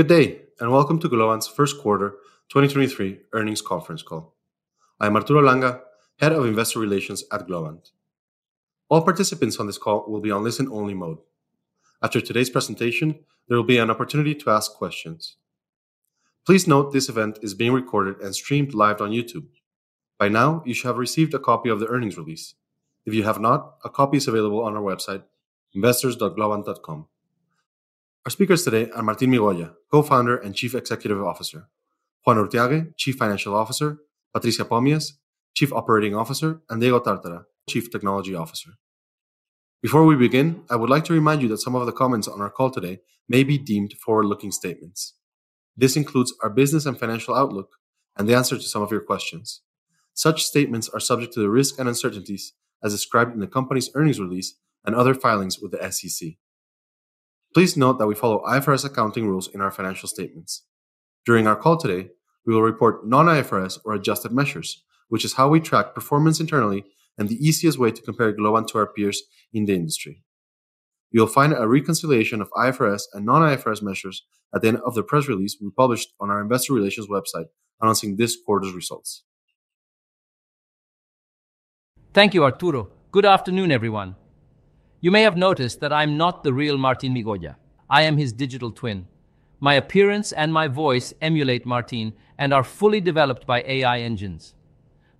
Good day, welcome to Globant's First Quarter 2023 earnings conference call. I am Arturo Langa, Head of Investor Relations at Globant. All participants on this call will be on listen-only mode. After today's presentation, there will be an opportunity to ask questions. Please note this event is being recorded and streamed live on YouTube. By now, you should have received a copy of the earnings release. If you have not, a copy is available on our website, investors.globant.com. Our speakers today are Martín Migoya, Co-founder and Chief Executive Officer, Juan Urthiague, Chief Financial Officer, Patricia Pomies, Chief Operating Officer, and Diego Tartara, Chief Technology Officer. Before we begin, I would like to remind you that some of the comments on our call today may be deemed forward-looking statements. This includes our business and financial outlook and the answer to some of your questions. Such statements are subject to the risk and uncertainties as described in the company's earnings release and other filings with the SEC. Please note that we follow IFRS accounting rules in our financial statements. During our call today, we will report non-IFRS or adjusted measures, which is how we track performance internally and the easiest way to compare Globant to our peers in the industry. You'll find a reconciliation of IFRS and non-IFRS measures at the end of the press release we published on our investor relations website announcing this quarter's results. Thank you, Arturo. Good afternoon, everyone. You may have noticed that I'm not the real Martín Migoya. I am his digital twin. My appearance and my voice emulate Martín and are fully developed by AI engines.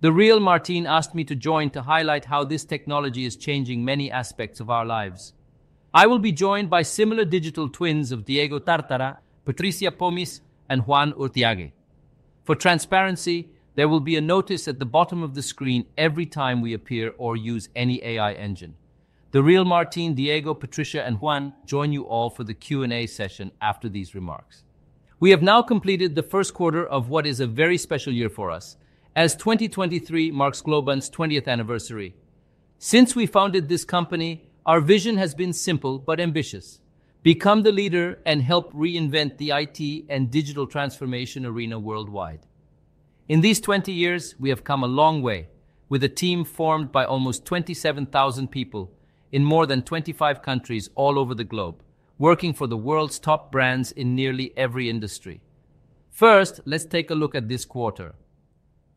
The real Martín asked me to join to highlight how this technology is changing many aspects of our lives. I will be joined by similar digital twins of Diego Tartara, Patricia Pomies, and Juan Urthiague. For transparency, there will be a notice at the bottom of the screen every time we appear or use any AI engine. The real Martín, Diego, Patricia, and Juan join you all for the Q&A session after these remarks. We have now completed the first quarter of what is a very special year for us, as 2023 marks Globant's 20th anniversary. Since we founded this company, our vision has been simple but ambitious: become the leader and help reinvent the IT and digital transformation arena worldwide. In these 20 years, we have come a long way, with a team formed by almost 27,000 people in more than 25 countries all over the globe, working for the world's top brands in nearly every industry. Let's take a look at this quarter.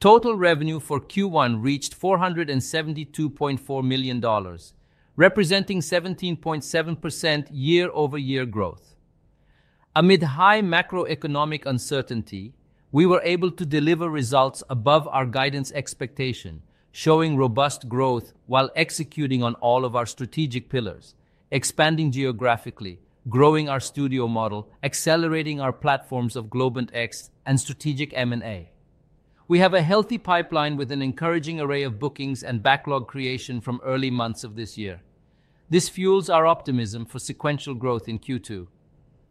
Total revenue for Q1 reached $472.4 million, representing 17.7% year-over-year growth. Amid high macroeconomic uncertainty, we were able to deliver results above our guidance expectation, showing robust growth while executing on all of our strategic pillars, expanding geographically, growing our studio model, accelerating our platforms of Globant X, and strategic M&A. We have a healthy pipeline with an encouraging array of bookings and backlog creation from early months of this year. This fuels our optimism for sequential growth in Q2.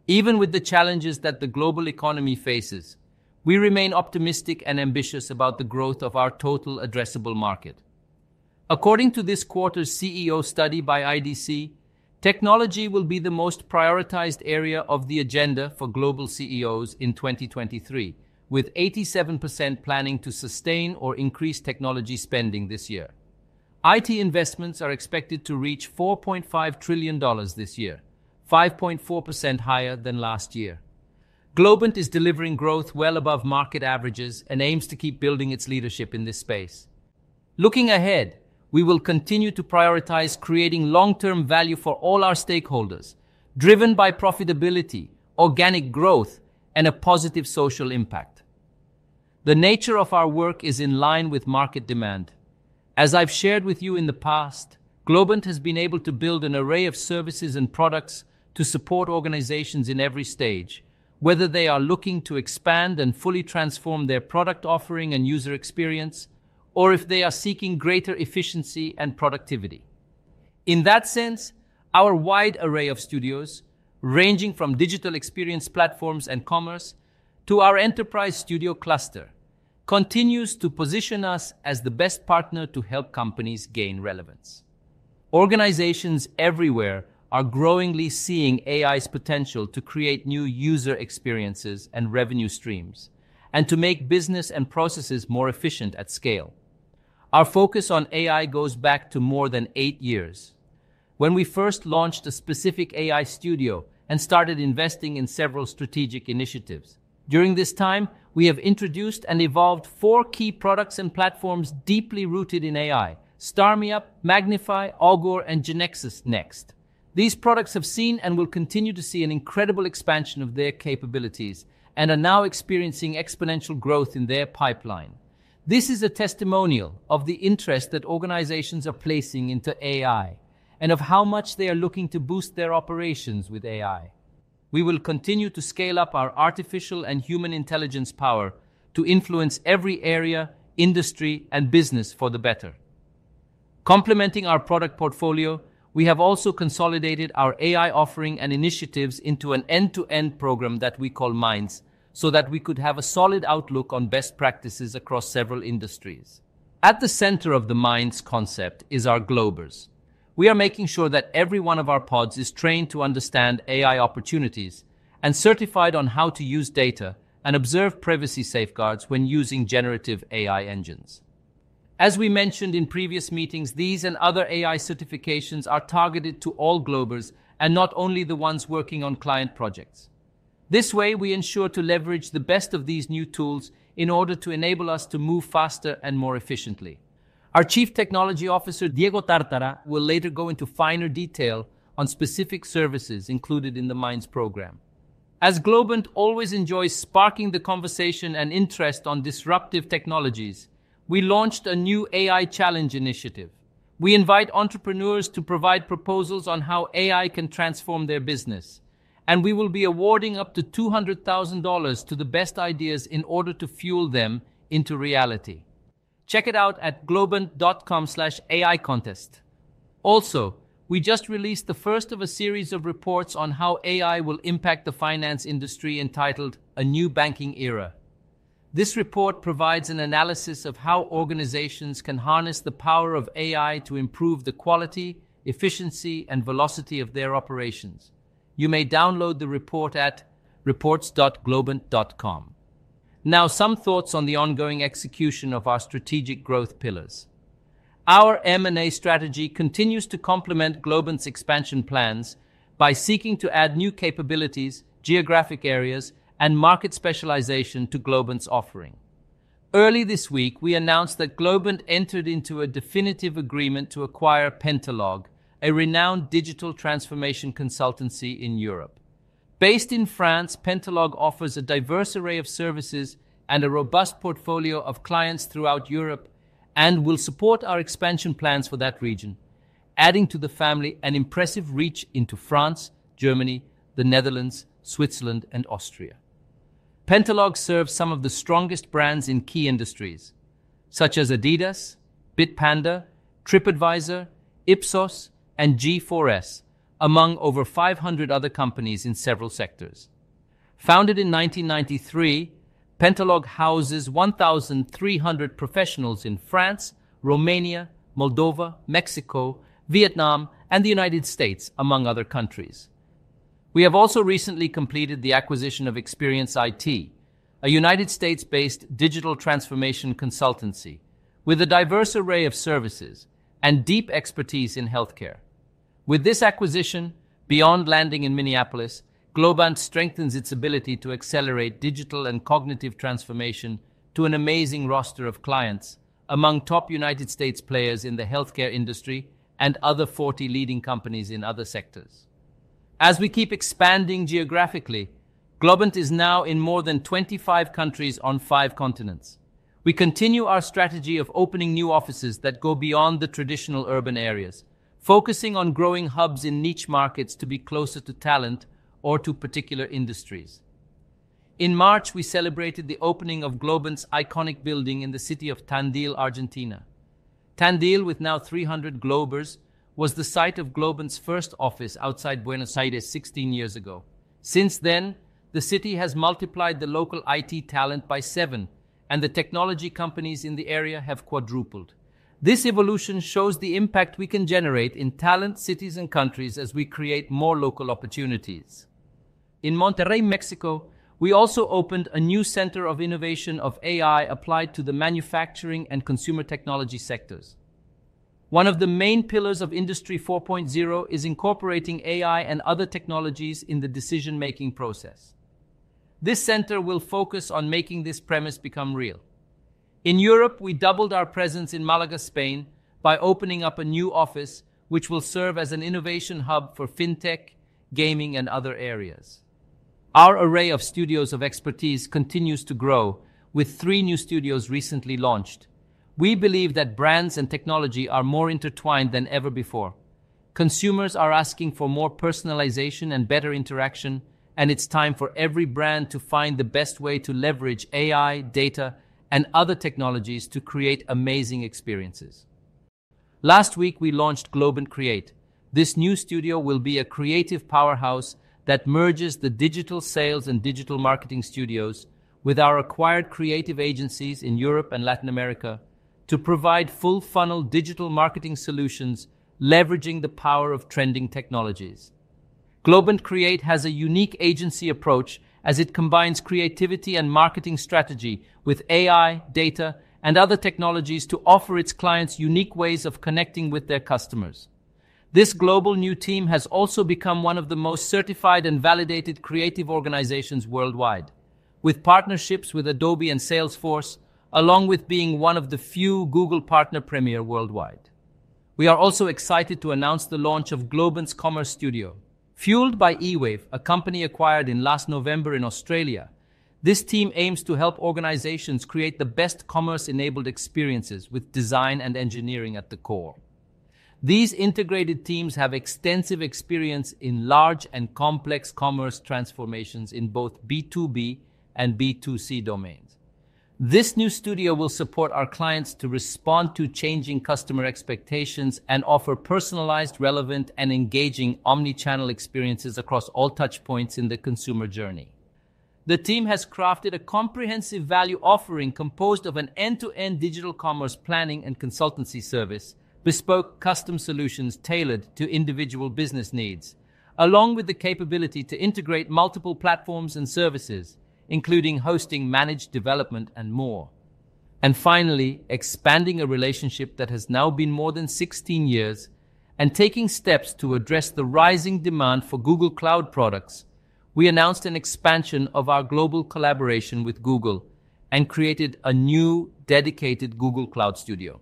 Even with the challenges that the global economy faces, we remain optimistic and ambitious about the growth of our total addressable market. According to this quarter's CEO study by IDC, technology will be the most prioritized area of the agenda for global CEOs in 2023, with 87% planning to sustain or increase technology spending this year. IT investments are expected to reach $4.5 trillion this year, 5.4% higher than last year. Globant is delivering growth well above market averages and aims to keep building its leadership in this space. Looking ahead, we will continue to prioritize creating long-term value for all our stakeholders, driven by profitability, organic growth, and a positive social impact. The nature of our work is in line with market demand. As I've shared with you in the past, Globant has been able to build an array of services and products to support organizations in every stage, whether they are looking to expand and fully transform their product offering and user experience, or if they are seeking greater efficiency and productivity. In that sense, our wide array of studios, ranging from digital experience platforms and commerce to our enterprise studio cluster, continues to position us as the best partner to help companies gain relevance. Organizations everywhere are growingly seeing AI's potential to create new user experiences and revenue streams, and to make business and processes more efficient at scale. Our focus on AI goes back to more than eight years when we first launched a specific AI studio and started investing in several strategic initiatives. During this time, we have introduced and evolved four key products and platforms deeply rooted in AI: StarMeUp, MagnifAI, Augoor, and GeneXus Next. These products have seen and will continue to see an incredible expansion of their capabilities and are now experiencing exponential growth in their pipeline. This is a testimonial of the interest that organizations are placing into AI and of how much they are looking to boost their operations with AI. We will continue to scale up our artificial and human intelligence power to influence every area, industry, and business for the better. Complementing our product portfolio, we have also consolidated our AI offering and initiatives into an end-to-end program that we call MINDS, so that we could have a solid outlook on best practices across several industries. At the center of the MINDS concept is our Globers. We are making sure that every one of our pods is trained to understand AI opportunities and certified on how to use data and observe privacy safeguards when using generative AI engines. As we mentioned in previous meetings, these and other AI certifications are targeted to all Globers and not only the ones working on client projects. This way, we ensure to leverage the best of these new tools in order to enable us to move faster and more efficiently. Our Chief Technology Officer, Diego Tartara, will later go into finer detail on specific services included in the MINDS program. As Globant always enjoys sparking the conversation and interest on disruptive technologies, we launched a new AI challenge initiative. We invite entrepreneurs to provide proposals on how AI can transform their business, and we will be awarding up to $200,000 to the best ideas in order to fuel them into reality. Check it out at globant.com/aicontest. Also, we just released the first of a series of reports on how AI will impact the finance industry entitled A New Banking Era. This report provides an analysis of how organizations can harness the power of AI to improve the quality, efficiency, and velocity of their operations. You may download the report at reports.globant.com. Now, some thoughts on the ongoing execution of our strategic growth pillars. Our M&A strategy continues to complement Globant's expansion plans by seeking to add new capabilities, geographic areas, and market specialization to Globant's offering. Early this week, we announced that Globant entered into a definitive agreement to acquire Pentalog, a renowned digital transformation consultancy in Europe. Based in France, Pentalog offers a diverse array of services and a robust portfolio of clients throughout Europe and will support our expansion plans for that region, adding to the family an impressive reach into France, Germany, the Netherlands, Switzerland, and Austria. Pentalog serves some of the strongest brands in key industries such as Adidas, Bitpanda, TripAdvisor, Ipsos, and G4S, among over 500 other companies in several sectors. Founded in 1993, Pentalog houses 1,300 professionals in France, Romania, Moldova, Mexico, Vietnam, and the United States, among other countries. We have also recently completed the acquisition of ExperienceIT, a United States-based digital transformation consultancy with a diverse array of services and deep expertise in healthcare. With this acquisition, beyond landing in Minneapolis, Globant strengthens its ability to accelerate digital and cognitive transformation to an amazing roster of clients among top U.S. players in the healthcare industry and other 40 leading companies in other sectors. We keep expanding geographically, Globant is now in more than 25 countries on five continents. We continue our strategy of opening new offices that go beyond the traditional urban areas, focusing on growing hubs in niche markets to be closer to talent or to particular industries. In March, we celebrated the opening of Globant's iconic building in the city of Tandil, Argentina. Tandil, with now 300 Globers, was the site of Globant's first office outside Buenos Aires 16 years ago. Since then, the city has multiplied the local IT talent by seven, and the technology companies in the area have quadrupled. This evolution shows the impact we can generate in talent, cities, and countries as we create more local opportunities. In Monterrey, Mexico, we also opened a new center of innovation of AI applied to the manufacturing and consumer technology sectors. One of the main pillars of Industry 4.0 is incorporating AI and other technologies in the decision-making process. This center will focus on making this premise become real. In Europe, we doubled our presence in Málaga, Spain, by opening up a new office which will serve as an innovation hub for fintech, gaming, and other areas. Our array of studios of expertise continues to grow with three new studios recently launched. We believe that brands and technology are more intertwined than ever before. Consumers are asking for more personalization and better interaction, and it's time for every brand to find the best way to leverage AI, data, and other technologies to create amazing experiences. Last week, we launched Globant Create. This new studio will be a creative powerhouse that merges the digital sales and digital marketing studios with our acquired creative agencies in Europe and Latin America to provide full-funnel digital marketing solutions leveraging the power of trending technologies. Globant Create has a unique agency approach as it combines creativity and marketing strategy with AI, data, and other technologies to offer its clients unique ways of connecting with their customers. This global new team has also become one of the most certified and validated creative organizations worldwide, with partnerships with Adobe and Salesforce, along with being one of the few Google Partner Premier worldwide. We are also excited to announce the launch of Globant's Commerce Studio. Fueled by eWave, a company acquired in last November in Australia, this team aims to help organizations create the best commerce-enabled experiences with design and engineering at the core. These integrated teams have extensive experience in large and complex commerce transformations in both B2B and B2C domains. This new studio will support our clients to respond to changing customer expectations and offer personalized, relevant, and engaging omni-channel experiences across all touchpoints in the consumer journey. The team has crafted a comprehensive value offering composed of an end-to-end digital commerce planning and consultancy service, bespoke custom solutions tailored to individual business needs, along with the capability to integrate multiple platforms and services, including hosting, managed development, and more. Finally, expanding a relationship that has now been more than 16 years and taking steps to address the rising demand for Google Cloud products, we announced an expansion of our global collaboration with Google and created a new dedicated Google Cloud Studio.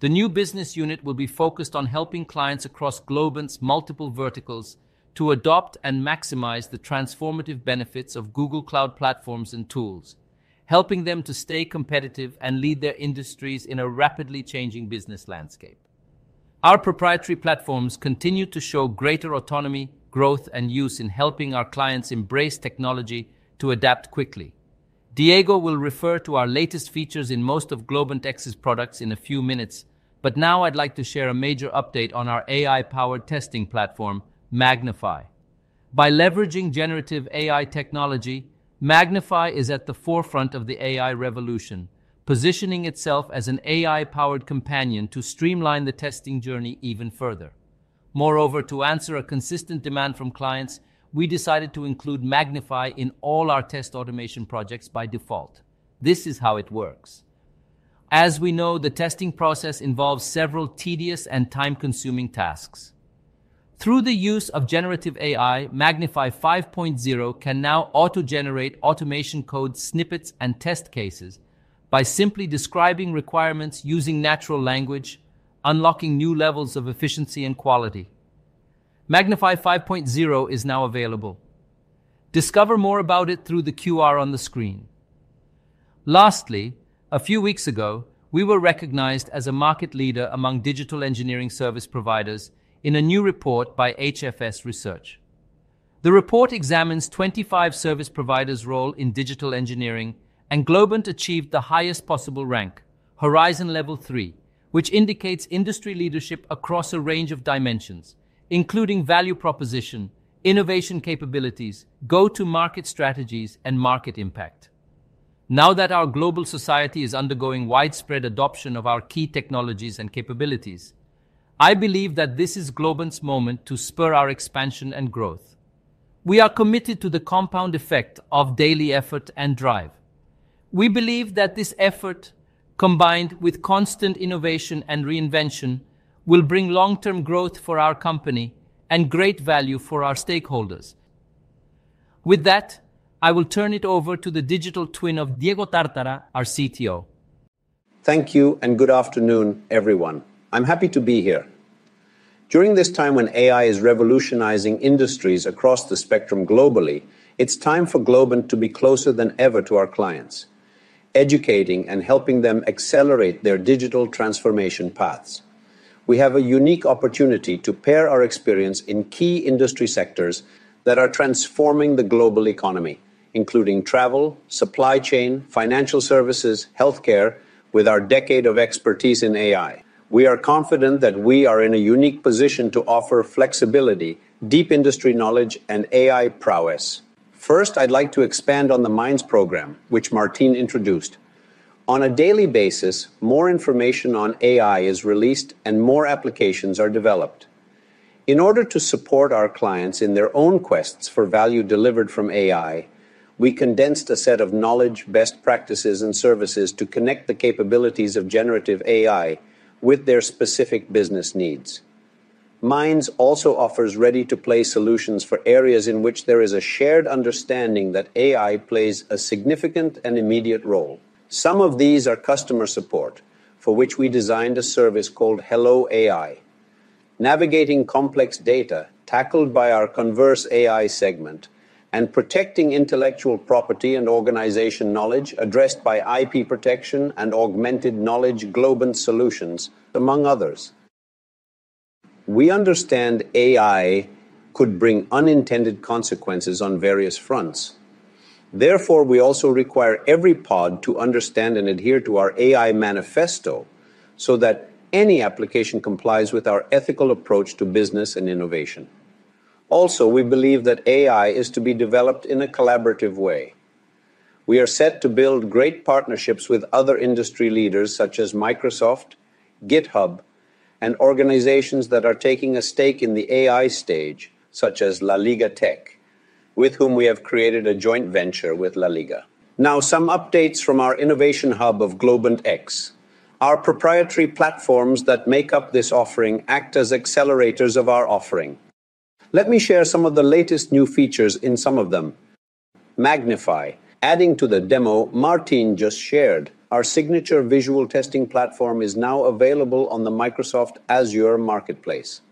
The new business unit will be focused on helping clients across Globant's multiple verticals to adopt and maximize the transformative benefits of Google Cloud platforms and tools, helping them to stay competitive and lead their industries in a rapidly changing business landscape. Our proprietary platforms continue to show greater autonomy, growth, and use in helping our clients embrace technology to adapt quickly. Diego will refer to our latest features in most of Globant X's products in a few minutes. Now I'd like to share a major update on our AI-powered testing platform, MagnifAI. By leveraging generative AI technology, MagnifAI is at the forefront of the AI revolution, positioning itself as an AI-powered companion to streamline the testing journey even further. Moreover, to answer a consistent demand from clients, we decided to include MagnifAI in all our test automation projects by default. This is how it works. As we know, the testing process involves several tedious and time-consuming tasks. Through the use of generative AI, MagnifAI 5.0 can now auto-generate automation code snippets and test cases by simply describing requirements using natural language, unlocking new levels of efficiency and quality. MagnifAI 5.0 is now available. Discover more about it through the QR on the screen. Lastly, a few weeks ago, we were recognized as a market leader among digital engineering service providers in a new report by HFS Research. The report examines 25 service providers' role in digital engineering, and Globant achieved the highest possible rank, Horizon 3, which indicates industry leadership across a range of dimensions, including value proposition, innovation capabilities, go-to-market strategies, and market impact. Now that our global society is undergoing widespread adoption of our key technologies and capabilities, I believe that this is Globant's moment to spur our expansion and growth. We are committed to the compound effect of daily effort and drive. We believe that this effort, combined with constant innovation and reinvention, will bring long-term growth for our company and great value for our stakeholders. With that, I will turn it over to the digital twin of Diego Tartara, our CTO. Thank you and good afternoon, everyone. I'm happy to be here. During this time when AI is revolutionizing industries across the spectrum globally, it's time for Globant to be closer than ever to our clients, educating and helping them accelerate their digital transformation paths. We have a unique opportunity to pair our experience in key industry sectors that are transforming the global economy, including travel, supply chain, financial services, healthcare with our decade of expertise in AI. We are confident that we are in a unique position to offer flexibility, deep industry knowledge, and AI prowess. First, I'd like to expand on the MINDS program, which Martín introduced. On a daily basis, more information on AI is released and more applications are developed. In order to support our clients in their own quests for value delivered from AI, we condensed a set of knowledge, best practices, and services to connect the capabilities of generative AI with their specific business needs. MINDS also offers ready-to-play solutions for areas in which there is a shared understanding that AI plays a significant and immediate role. Some of these are customer support, for which we designed a service called Hello AI, navigating complex data tackled by our Converse AI segment, and protecting intellectual property and organization knowledge addressed by IP protection and augmented knowledge Globant solutions, among others. We understand AI could bring unintended consequences on various fronts. We also require every pod to understand and adhere to our AI Manifesto so that any application complies with our ethical approach to business and innovation. We believe that AI is to be developed in a collaborative way. We are set to build great partnerships with other industry leaders such as Microsoft, GitHub, and organizations that are taking a stake in the AI stage, such as LaLiga Tech, with whom we have created a joint venture with LaLiga. Some updates from our innovation hub of Globant X. Our proprietary platforms that make up this offering act as accelerators of our offering. Let me share some of the latest new features in some of them. MagnifAI. Adding to the demo Martín just shared, our signature visual testing platform is now available on the Microsoft Azure marketplace.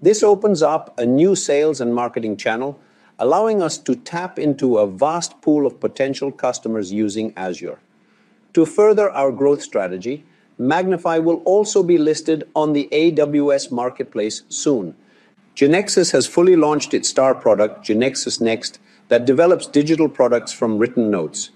This opens up a new sales and marketing channel, allowing us to tap into a vast pool of potential customers using Azure. To further our growth strategy, MagnifAI will also be listed on the AWS marketplace soon. GeneXus has fully launched its star product, GeneXus Next, that develops digital products from written notes.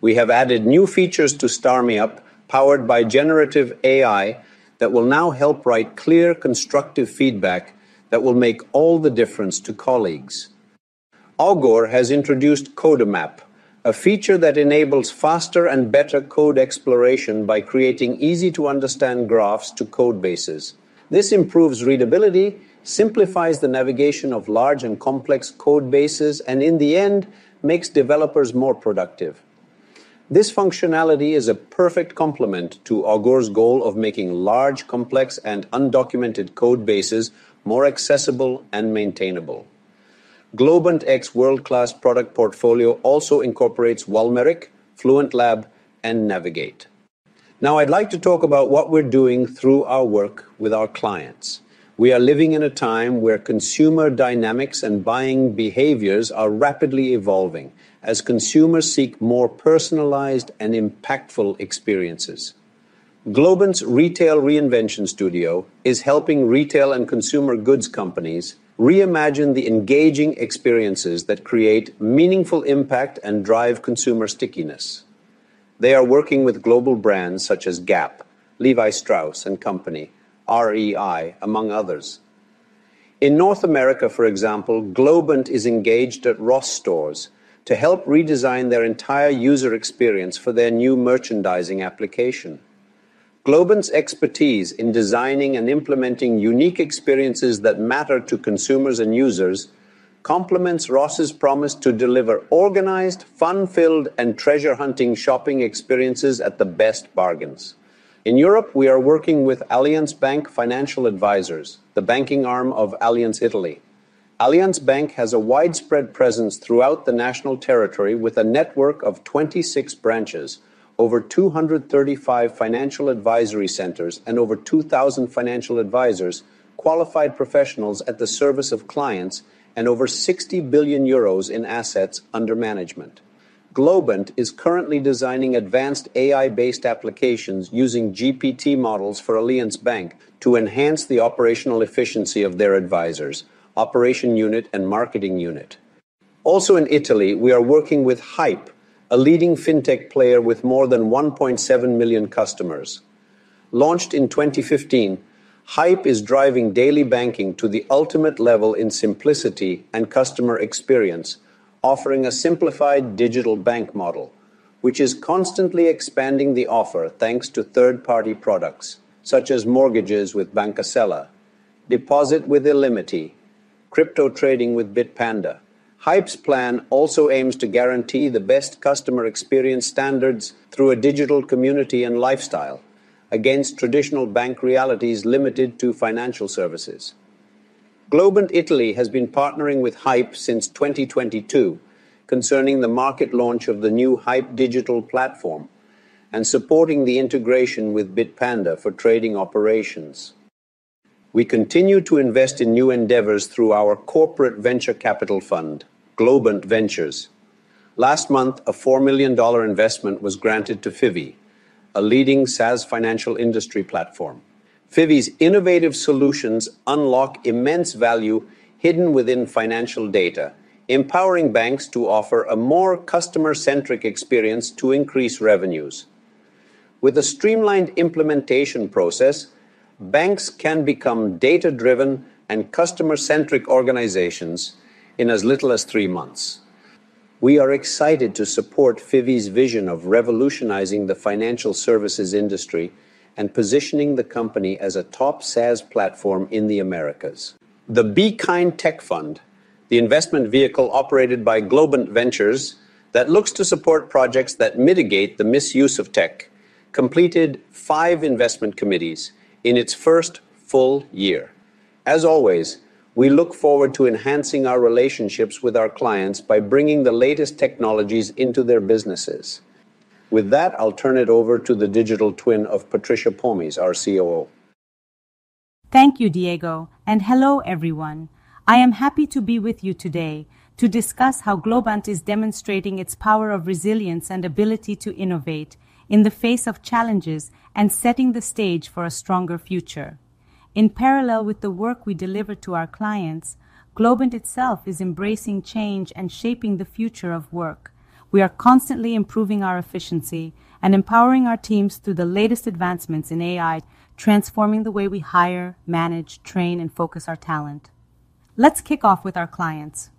We have added new features to StarMeUp, powered by generative AI, that will now help write clear, constructive feedback that will make all the difference to colleagues. Augoor has introduced Codemap, a feature that enables faster and better code exploration by creating easy-to-understand graphs to code bases. This improves readability, simplifies the navigation of large and complex code bases, and in the end, makes developers more productive. This functionality is a perfect complement to Augoor's goal of making large, complex, and undocumented code bases more accessible and maintainable. Globant X world-class product portfolio also incorporates Walmeric, Fluent Lab, and Navigate. I'd like to talk about what we're doing through our work with our clients. We are living in a time where consumer dynamics and buying behaviors are rapidly evolving as consumers seek more personalized and impactful experiences. Globant's Retail Reinvention Studio is helping retail and consumer goods companies reimagine the engaging experiences that create meaningful impact and drive consumer stickiness. They are working with global brands such as Gap, Levi Strauss & Co., REI, among others. In North America, for example, Globant is engaged at Ross Stores to help redesign their entire user experience for their new merchandising application. Globant's expertise in designing and implementing unique experiences that matter to consumers and users complements Ross's promise to deliver organized, fun-filled, and treasure-hunting shopping experiences at the best bargains. In Europe, we are working with Allianz Bank Financial Advisors, the banking arm of Allianz Italy. Allianz Bank has a widespread presence throughout the national territory with a network of 26 branches, over 235 financial advisory centers, and over 2,000 financial advisors, qualified professionals at the service of clients, and over 60 billion euros in assets under management. Globant is currently designing advanced AI-based applications using GPT models for Allianz Bank to enhance the operational efficiency of their advisors, operation unit, and marketing unit. In Italy, we are working with Hype, a leading fintech player with more than 1.7 million customers. Launched in 2015, Hype is driving daily banking to the ultimate level in simplicity and customer experience, offering a simplified digital bank model, which is constantly expanding the offer thanks to third-party products such as mortgages with Banca Sella, deposit with illimity, crypto trading with Bitpanda. Hype's plan also aims to guarantee the best customer experience standards through a digital community and lifestyle against traditional bank realities limited to financial services. Globant Italy has been partnering with Hype since 2022 concerning the market launch of the new Hype digital platform and supporting the integration with Bitpanda for trading operations. We continue to invest in new endeavors through our corporate venture capital fund, Globant Ventures. Last month, a $4 million investment was granted to Fivvy, a leading SaaS financial industry platform. Fivvy's innovative solutions unlock immense value hidden within financial data, empowering banks to offer a more customer-centric experience to increase revenues. With a streamlined implementation process, banks can become data-driven and customer-centric organizations in as little as three months. We are excited to support Fivvy's vision of revolutionizing the financial services industry and positioning the company as a top SaaS platform in the Americas. The Be Kind Tech Fund, the investment vehicle operated by Globant Ventures that looks to support projects that mitigate the misuse of tech, completed five investment committees in its first full year. As always, we look forward to enhancing our relationships with our clients by bringing the latest technologies into their businesses. With that, I'll turn it over to the digital twin of Patricia Pomies, our COO. Thank you, Diego. Hello, everyone. I am happy to be with you today to discuss how Globant is demonstrating its power of resilience and ability to innovate in the face of challenges and setting the stage for a stronger future. In parallel with the work we deliver to our clients, Globant itself is embracing change and shaping the future of work. We are constantly improving our efficiency and empowering our teams through the latest advancements in AI, transforming the way we hire, manage, train, and focus our talent. Let's kick off with our clients.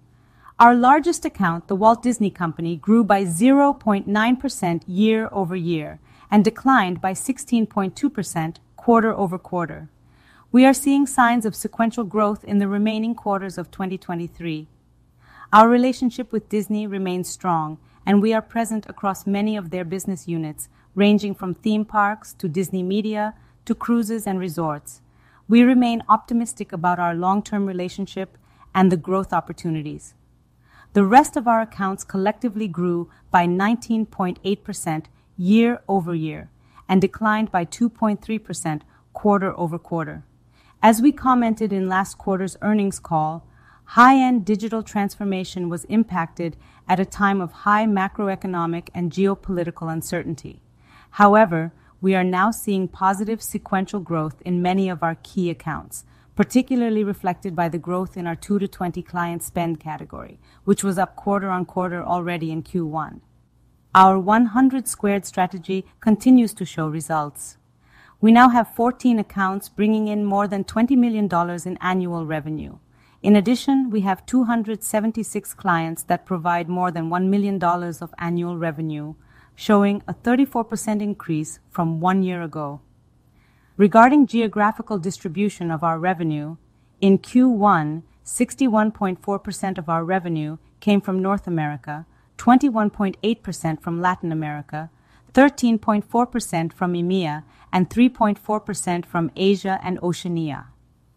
Our largest account, The Walt Disney Company, grew by 0.9% year-over-year and declined by 16.2% quarter-over-quarter. We are seeing signs of sequential growth in the remaining quarters of 2023. Our relationship with Disney remains strong. We are present across many of their business units, ranging from theme parks to Disney Media to cruises and resorts. We remain optimistic about our long-term relationship and the growth opportunities. The rest of our accounts collectively grew by 19.8% year-over-year and declined by 2.3% quarter-over-quarter. As we commented in last quarter's earnings call, high-end digital transformation was impacted at a time of high macroeconomic and geopolitical uncertainty. We are now seeing positive sequential growth in many of our key accounts, particularly reflected by the growth in our two to 20 client spend category, which was up quarter-on-quarter already in Q1. Our 100 Squared strategy continues to show results. We now have 14 accounts bringing in more than $20 million in annual revenue. We have 276 clients that provide more than $1 million of annual revenue, showing a 34% increase from 1 year ago. Regarding geographical distribution of our revenue, in Q1, 61.4% of our revenue came from North America, 21.8% from Latin America, 13.4% from EMEA, and 3.4% from Asia and Oceania.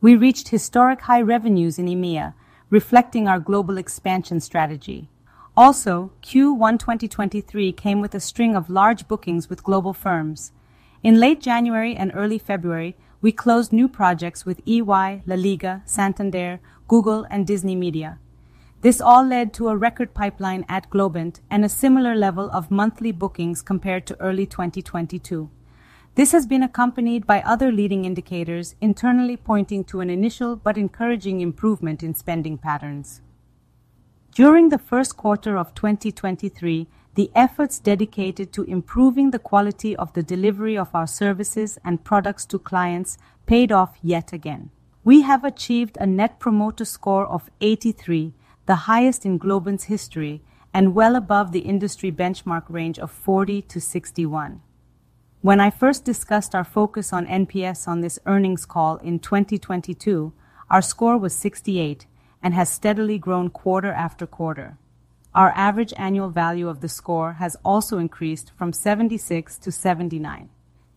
We reached historic high revenues in EMEA, reflecting our global expansion strategy. Q1 2023 came with a string of large bookings with global firms. In late January and early February, we closed new projects with EY, LaLiga, Santander, Google, and Disney Media. This all led to a record pipeline at Globant and a similar level of monthly bookings compared to early 2022. This has been accompanied by other leading indicators internally pointing to an initial but encouraging improvement in spending patterns. During the first quarter of 2023, the efforts dedicated to improving the quality of the delivery of our services and products to clients paid off yet again. We have achieved a Net Promoter Score of 83, the highest in Globant's history and well above the industry benchmark range of 40-61. When I first discussed our focus on NPS on this earnings call in 2022, our score was 68 and has steadily grown quarter after quarter. Our average annual value of the score has also increased from 76 to 79.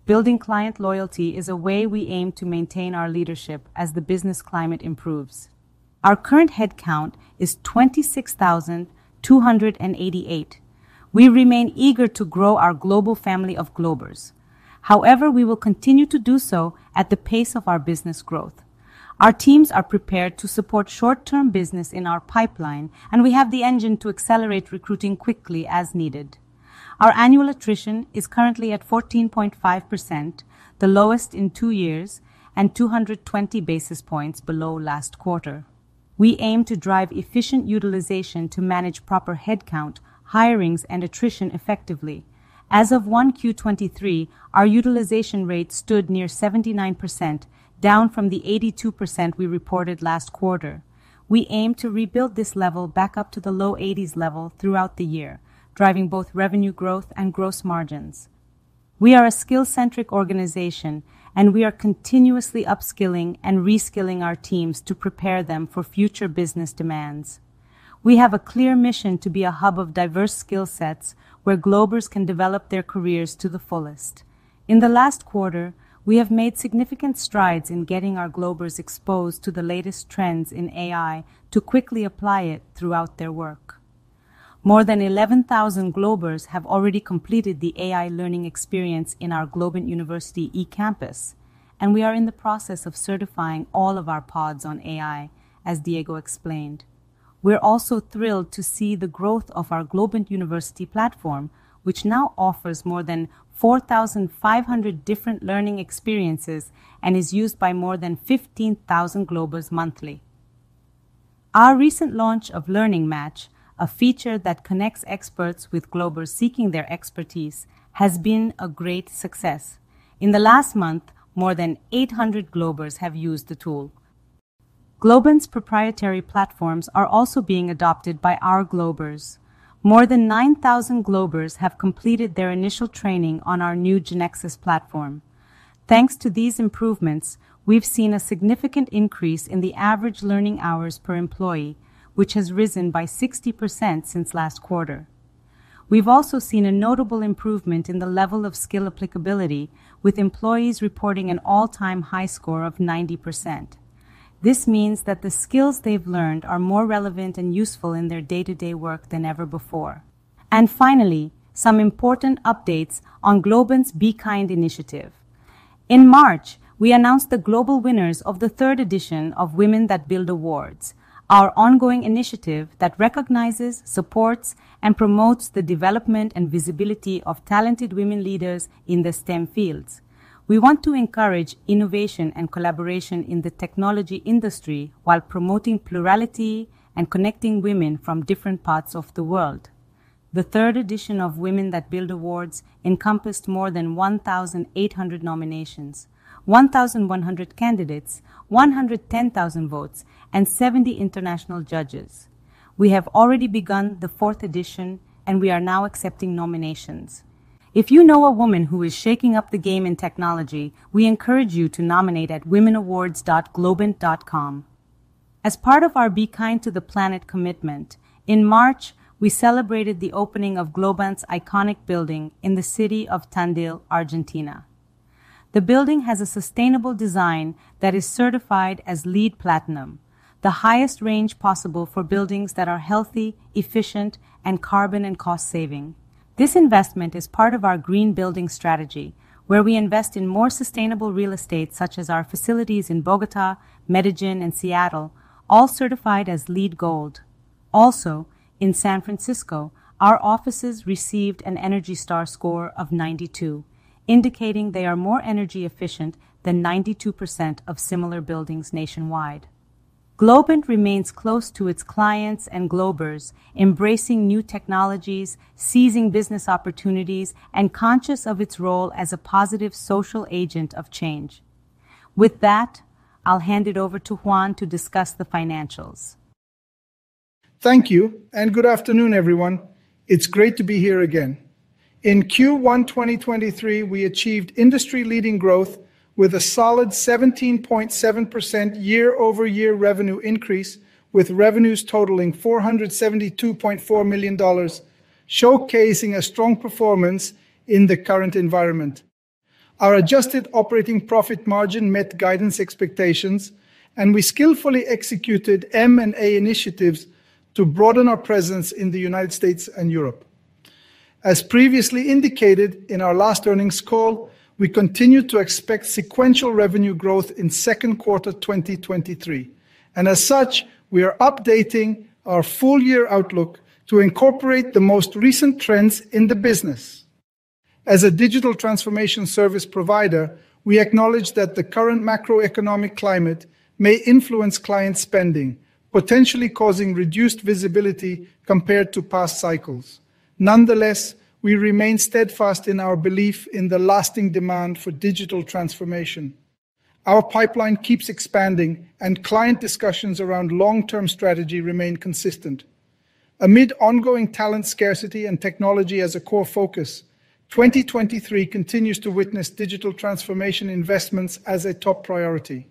Building client loyalty is a way we aim to maintain our leadership as the business climate improves. Our current headcount is 26,288. We remain eager to grow our global family of Globers. We will continue to do so at the pace of our business growth. Our teams are prepared to support short-term business in our pipeline, and we have the engine to accelerate recruiting quickly as needed. Our annual attrition is currently at 14.5%, the lowest in two years, and 220 basis points below last quarter. We aim to drive efficient utilization to manage proper headcount, hirings, and attrition effectively. As of 1Q 2023, our utilization rate stood near 79%, down from the 82% we reported last quarter. We aim to rebuild this level back up to the low 80s level throughout the year, driving both revenue growth and gross margins. We are a skill-centric organization, and we are continuously upskilling and reskilling our teams to prepare them for future business demands. We have a clear mission to be a hub of diverse skill sets where Globers can develop their careers to the fullest. In the last quarter, we have made significant strides in getting our Globers exposed to the latest trends in AI to quickly apply it throughout their work. More than 11,000 Globers have already completed the AI learning experience in our Globant University e-Campus, and we are in the process of certifying all of our pods on AI, as Diego explained. We're also thrilled to see the growth of our Globant University platform, which now offers more than 4,500 different learning experiences and is used by more than 15,000 Globers monthly. Our recent launch of Learning Match, a feature that connects experts with Globers seeking their expertise, has been a great success. In the last month, more than 800 Globers have used the tool. Globant's proprietary platforms are also being adopted by our Globers. More than 9,000 Globers have completed their initial training on our new GeneXus platform. Thanks to these improvements, we've seen a significant increase in the average learning hours per employee, which has risen by 60% since last quarter. We've also seen a notable improvement in the level of skill applicability, with employees reporting an all-time high score of 90%. This means that the skills they've learned are more relevant and useful in their day-to-day work than ever before. Finally, some important updates on Globant's Be Kind initiative. In March, we announced the global winners of the third edition of Women that Build Awards, our ongoing initiative that recognizes, supports, and promotes the development and visibility of talented women leaders in the STEM fields. We want to encourage innovation and collaboration in the technology industry while promoting plurality and connecting women from different parts of the world. The third edition of Women that Build Awards encompassed more than 1,800 nominations, 1,100 candidates, 110,000 votes, and 70 international judges. We have already begun the fourth edition, and we are now accepting nominations. If you know a woman who is shaking up the game in technology, we encourage you to nominate at womenawards.globant.com. As part of our Be Kind to the Planet commitment, in March, we celebrated the opening of Globant's iconic building in the city of Tandil, Argentina. The building has a sustainable design that is certified as LEED Platinum, the highest range possible for buildings that are healthy, efficient, and carbon and cost-saving. This investment is part of our green building strategy, where we invest in more sustainable real estate, such as our facilities in Bogota, Medellín, and Seattle, all certified as LEED Gold. In San Francisco, our offices received an ENERGY STAR score of 92, indicating they are more energy efficient than 92% of similar buildings nationwide. Globant remains close to its clients and Globers, embracing new technologies, seizing business opportunities, and conscious of its role as a positive social agent of change. With that, I'll hand it over to Juan to discuss the financials. Thank you. Good afternoon, everyone. It's great to be here again. In Q1 2023, we achieved industry-leading growth with a solid 17.7% year-over-year revenue increase, with revenues totaling $472.4 million, showcasing a strong performance in the current environment. Our adjusted operating profit margin met guidance expectations. We skillfully executed M&A initiatives to broaden our presence in the U.S. and Europe. As previously indicated in our last earnings call, we continue to expect sequential revenue growth in second quarter 2023. As such, we are updating our full year outlook to incorporate the most recent trends in the business. As a digital transformation service provider, we acknowledge that the current macroeconomic climate may influence client spending, potentially causing reduced visibility compared to past cycles. Nonetheless, we remain steadfast in our belief in the lasting demand for digital transformation. Our pipeline keeps expanding and client discussions around long-term strategy remain consistent. Amid ongoing talent scarcity and technology as a core focus, 2023 continues to witness digital transformation investments as a top priority.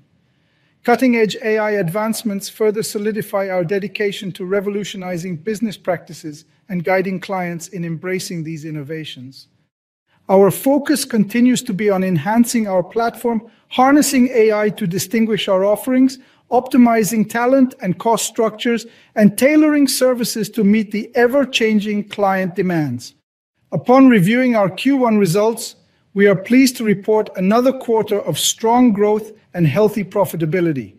Cutting-edge AI advancements further solidify our dedication to revolutionizing business practices and guiding clients in embracing these innovations. Our focus continues to be on enhancing our platform, harnessing AI to distinguish our offerings, optimizing talent and cost structures, and tailoring services to meet the ever-changing client demands. Upon reviewing our Q1 results, we are pleased to report another quarter of strong growth and healthy profitability.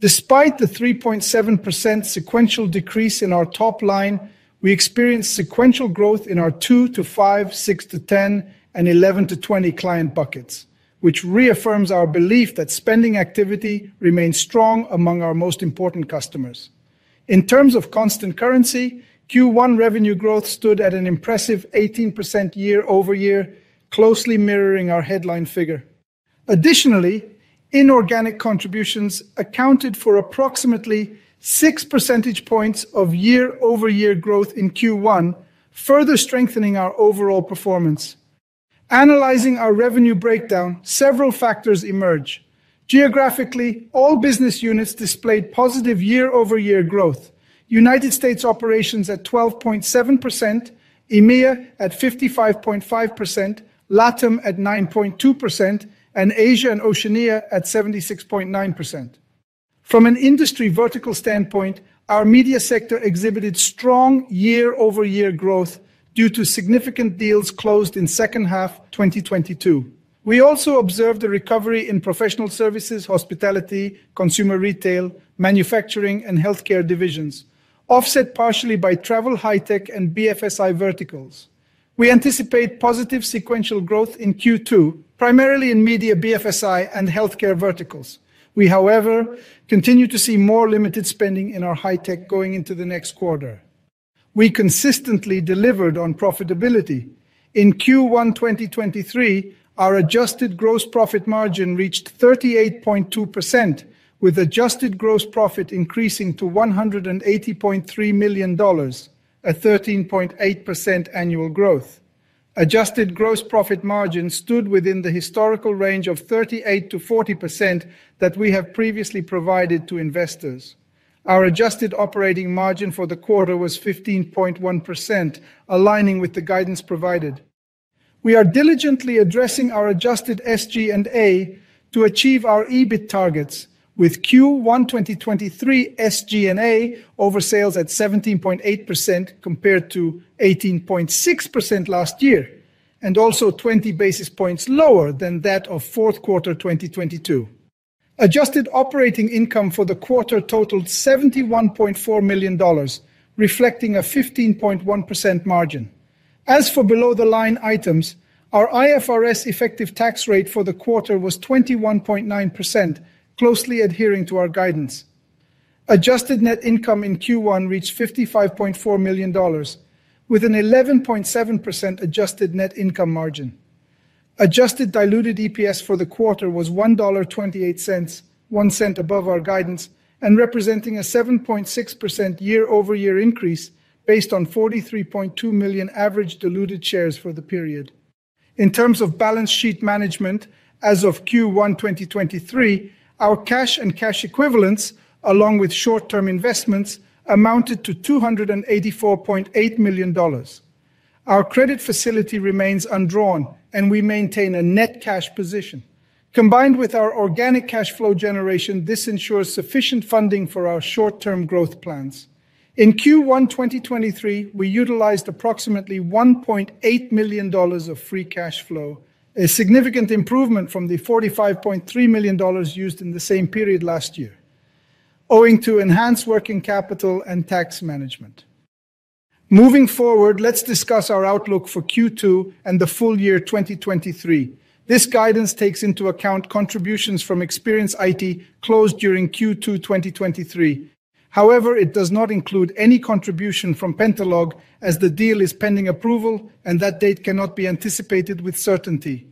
Despite the 3.7% sequential decrease in our top line, we experienced sequential growth in our 2-5, 6-10, and 11-20 client buckets, which reaffirms our belief that spending activity remains strong among our most important customers. In terms of constant currency, Q1 revenue growth stood at an impressive 18% year-over-year, closely mirroring our headline figure. Additionally, inorganic contributions accounted for approximately six percentage points of year-over-year growth in Q1, further strengthening our overall performance. Analyzing our revenue breakdown, several factors emerge. Geographically, all business units displayed positive year-over-year growth. United States operations at 12.7%, EMEA at 55.5%, LATAM at 9.2%, and Asia and Oceania at 76.9%. From an industry vertical standpoint, our media sector exhibited strong year-over-year growth due to significant deals closed in second half 2022. We also observed a recovery in professional services, hospitality, consumer retail, manufacturing, and healthcare divisions, offset partially by travel, high-tech, and BFSI verticals. We anticipate positive sequential growth in Q2, primarily in media, BFSI, and healthcare verticals. We, however, continue to see more limited spending in our high-tech going into the next quarter. We consistently delivered on profitability. In Q1 2023, our adjusted gross profit margin reached 38.2%, with adjusted gross profit increasing to $180.3 million, a 13.8% annual growth. Adjusted gross profit margin stood within the historical range of 38%-40% that we have previously provided to investors. Our adjusted operating margin for the quarter was 15.1%, aligning with the guidance provided. We are diligently addressing our adjusted SG&A to achieve our EBIT targets with Q1 2023 SG&A over sales at 17.8% compared to 18.6% last year, and also 20 basis points lower than that of fourth quarter 2022. Adjusted operating income for the quarter totaled $71.4 million, reflecting a 15.1% margin. As for below-the-line items, our IFRS effective tax rate for the quarter was 21.9%, closely adhering to our guidance. Adjusted net income in Q1 reached $55.4 million with an 11.7% adjusted net income margin. Adjusted diluted EPS for the quarter was $1.28, $0.01 above our guidance, and representing a 7.6% year-over-year increase based on 43.2 million average diluted shares for the period. In terms of balance sheet management as of Q1 2023, our cash and cash equivalents, along with short-term investments, amounted to $284.8 million. Our credit facility remains undrawn, and we maintain a net cash position. Combined with our organic cash flow generation, this ensures sufficient funding for our short-term growth plans. In Q1 2023, we utilized approximately $1.8 million of free cash flow, a significant improvement from the $45.3 million used in the same period last year, owing to enhanced working capital and tax management. Moving forward, let's discuss our outlook for Q2 and the full year 2023. This guidance takes into account contributions from ExperienceIT closed during Q2 2023. It does not include any contribution from Pentalog as the deal is pending approval, and that date cannot be anticipated with certainty.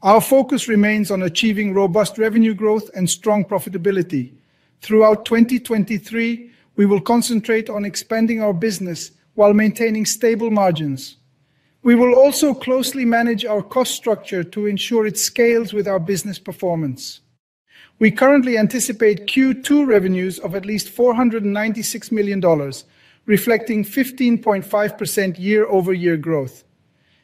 Our focus remains on achieving robust revenue growth and strong profitability. Throughout 2023, we will concentrate on expanding our business while maintaining stable margins. We will also closely manage our cost structure to ensure it scales with our business performance. We currently anticipate Q2 revenues of at least $496 million, reflecting 15.5% year-over-year growth.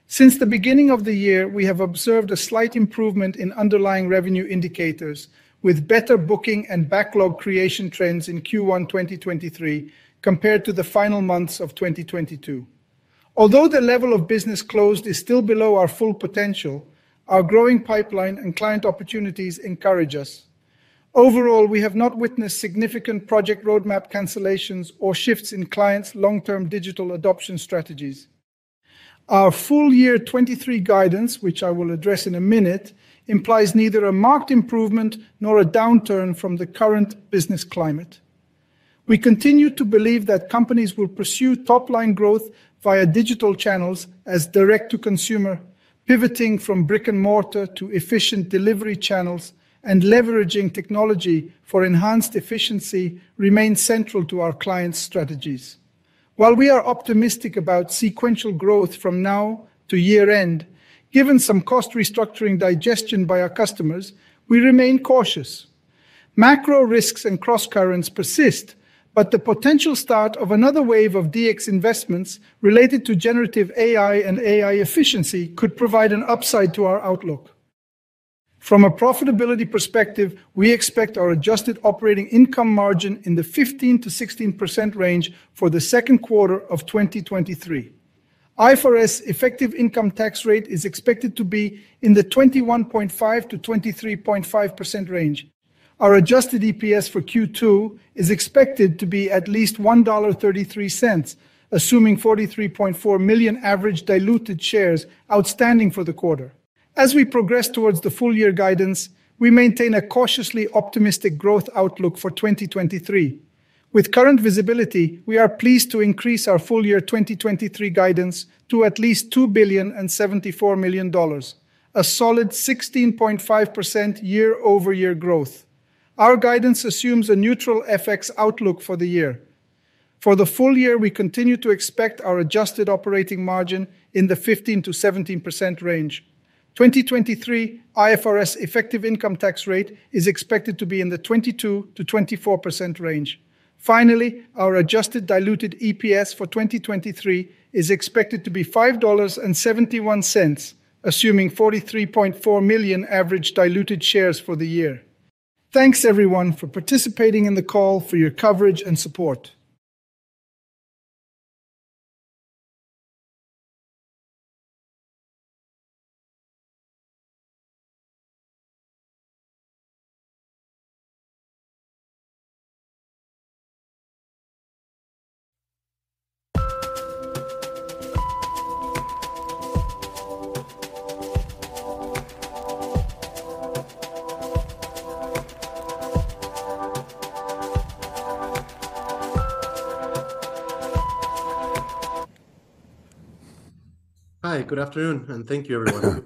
Since the beginning of the year, we have observed a slight improvement in underlying revenue indicators, with better booking and backlog creation trends in Q1 2023 compared to the final months of 2022. Although the level of business closed is still below our full potential, our growing pipeline and client opportunities encourage us. Overall, we have not witnessed significant project roadmap cancellations or shifts in clients' long-term digital adoption strategies. Our full year 2023 guidance, which I will address in a minute, implies neither a marked improvement nor a downturn from the current business climate. We continue to believe that companies will pursue top-line growth via digital channels as direct to consumer, pivoting from brick-and-mortar to efficient delivery channels, and leveraging technology for enhanced efficiency remains central to our clients' strategies. While we are optimistic about sequential growth from now to year-end, given some cost restructuring digestion by our customers, we remain cautious. Macro risks and crosscurrents persist, the potential start of another wave of DX investments related to generative AI and AI efficiency could provide an upside to our outlook. From a profitability perspective, we expect our adjusted operating income margin in the 15%-16% range for the second quarter of 2023. IFRS effective income tax rate is expected to be in the 21.5%-23.5% range. Our adjusted EPS for Q2 is expected to be at least $1.33, assuming 43.4 million average diluted shares outstanding for the quarter. As we progress towards the full year guidance, we maintain a cautiously optimistic growth outlook for 2023. With current visibility, we are pleased to increase our full year 2023 guidance to at least $2,074,000,000, a solid 16.5% year-over-year growth. Our guidance assumes a neutral FX outlook for the year. For the full year, we continue to expect our adjusted operating margin in the 15%-17% range. 2023 IFRS effective income tax rate is expected to be in the 22%-24% range. Finally, our adjusted diluted EPS for 2023 is expected to be $5.71, assuming 43.4 million average diluted shares for the year. Thanks everyone for participating in the call, for your coverage and support. Hi, good afternoon, and thank you everyone.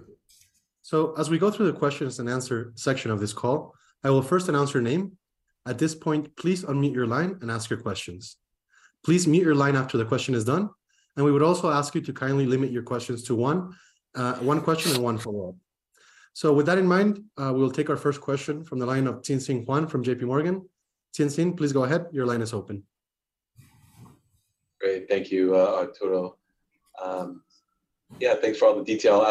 As we go through the questions and answer section of this call, I will first announce your name. At this point, please unmute your line and ask your questions. Please mute your line after the question is done, and we would also ask you to kindly limit your questions to one. One question and one follow-up. With that in mind, we'll take our first question from the line of Tien-Tsin Huang from JPMorgan. Tien-Tsin, please go ahead. Your line is open. Great. Thank you, Arturo. Yeah, thanks for all the detail.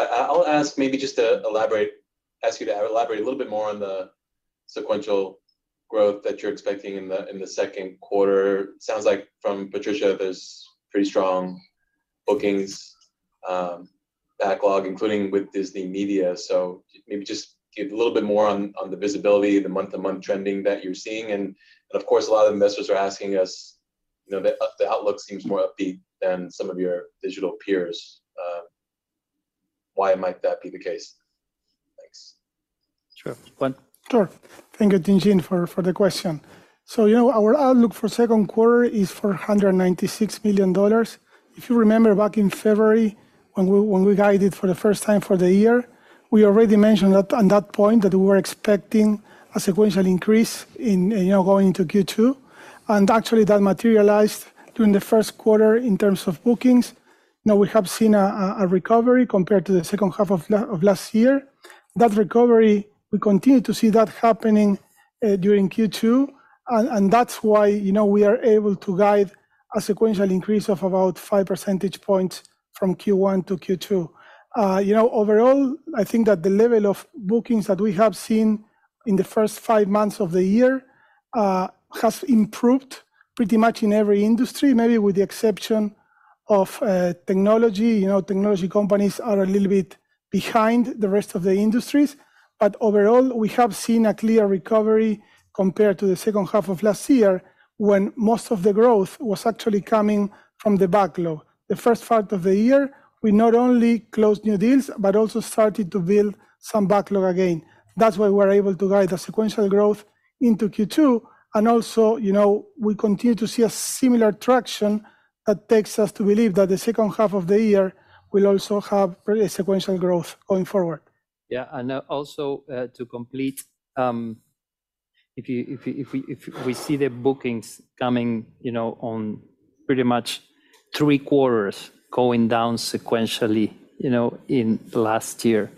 Ask you to elaborate a little bit more on the sequential growth that you're expecting in the second quarter. Sounds like from Patricia, there's pretty strong bookings, backlog, including with Disney Media. So maybe just give a little bit more on the visibility, the month-to-month trending that you're seeing. Of course, a lot of investors are asking us, you know, the outlook seems more upbeat than some of your digital peers. Why might that be the case? Thanks. Sure. Juan. Sure. Thank you, Tien-Tsin, for the question. You know, our outlook for second quarter is for $196 million. If you remember back in February when we guided for the first time for the year, we already mentioned that on that point, that we were expecting a sequential increase in, you know, going into Q2. Actually, that materialized during the first quarter in terms of bookings. Now we have seen a recovery compared to the second half of last year. That recovery, we continue to see that happening during Q2, and that's why, you know, we are able to guide a sequential increase of about five percentage points from Q1 to Q2. You know, overall I think that the level of bookings that we have seen in the first five months of the year, has improved pretty much in every industry, maybe with the exception of technology. You know, technology companies are a little bit behind the rest of the industries. Overall, we have seen a clear recovery compared to the second half of last year when most of the growth was actually coming from the backlog. The first part of the year, we not only closed new deals, but also started to build some backlog again. That's why we're able to guide a sequential growth into Q2. Also, you know, we continue to see a similar traction that takes us to believe that the second half of the year will also have pretty sequential growth going forward. Yeah. also, to complete, if we see the bookings coming, you know, on pretty much three quarters going down sequentially, you know, in the last year.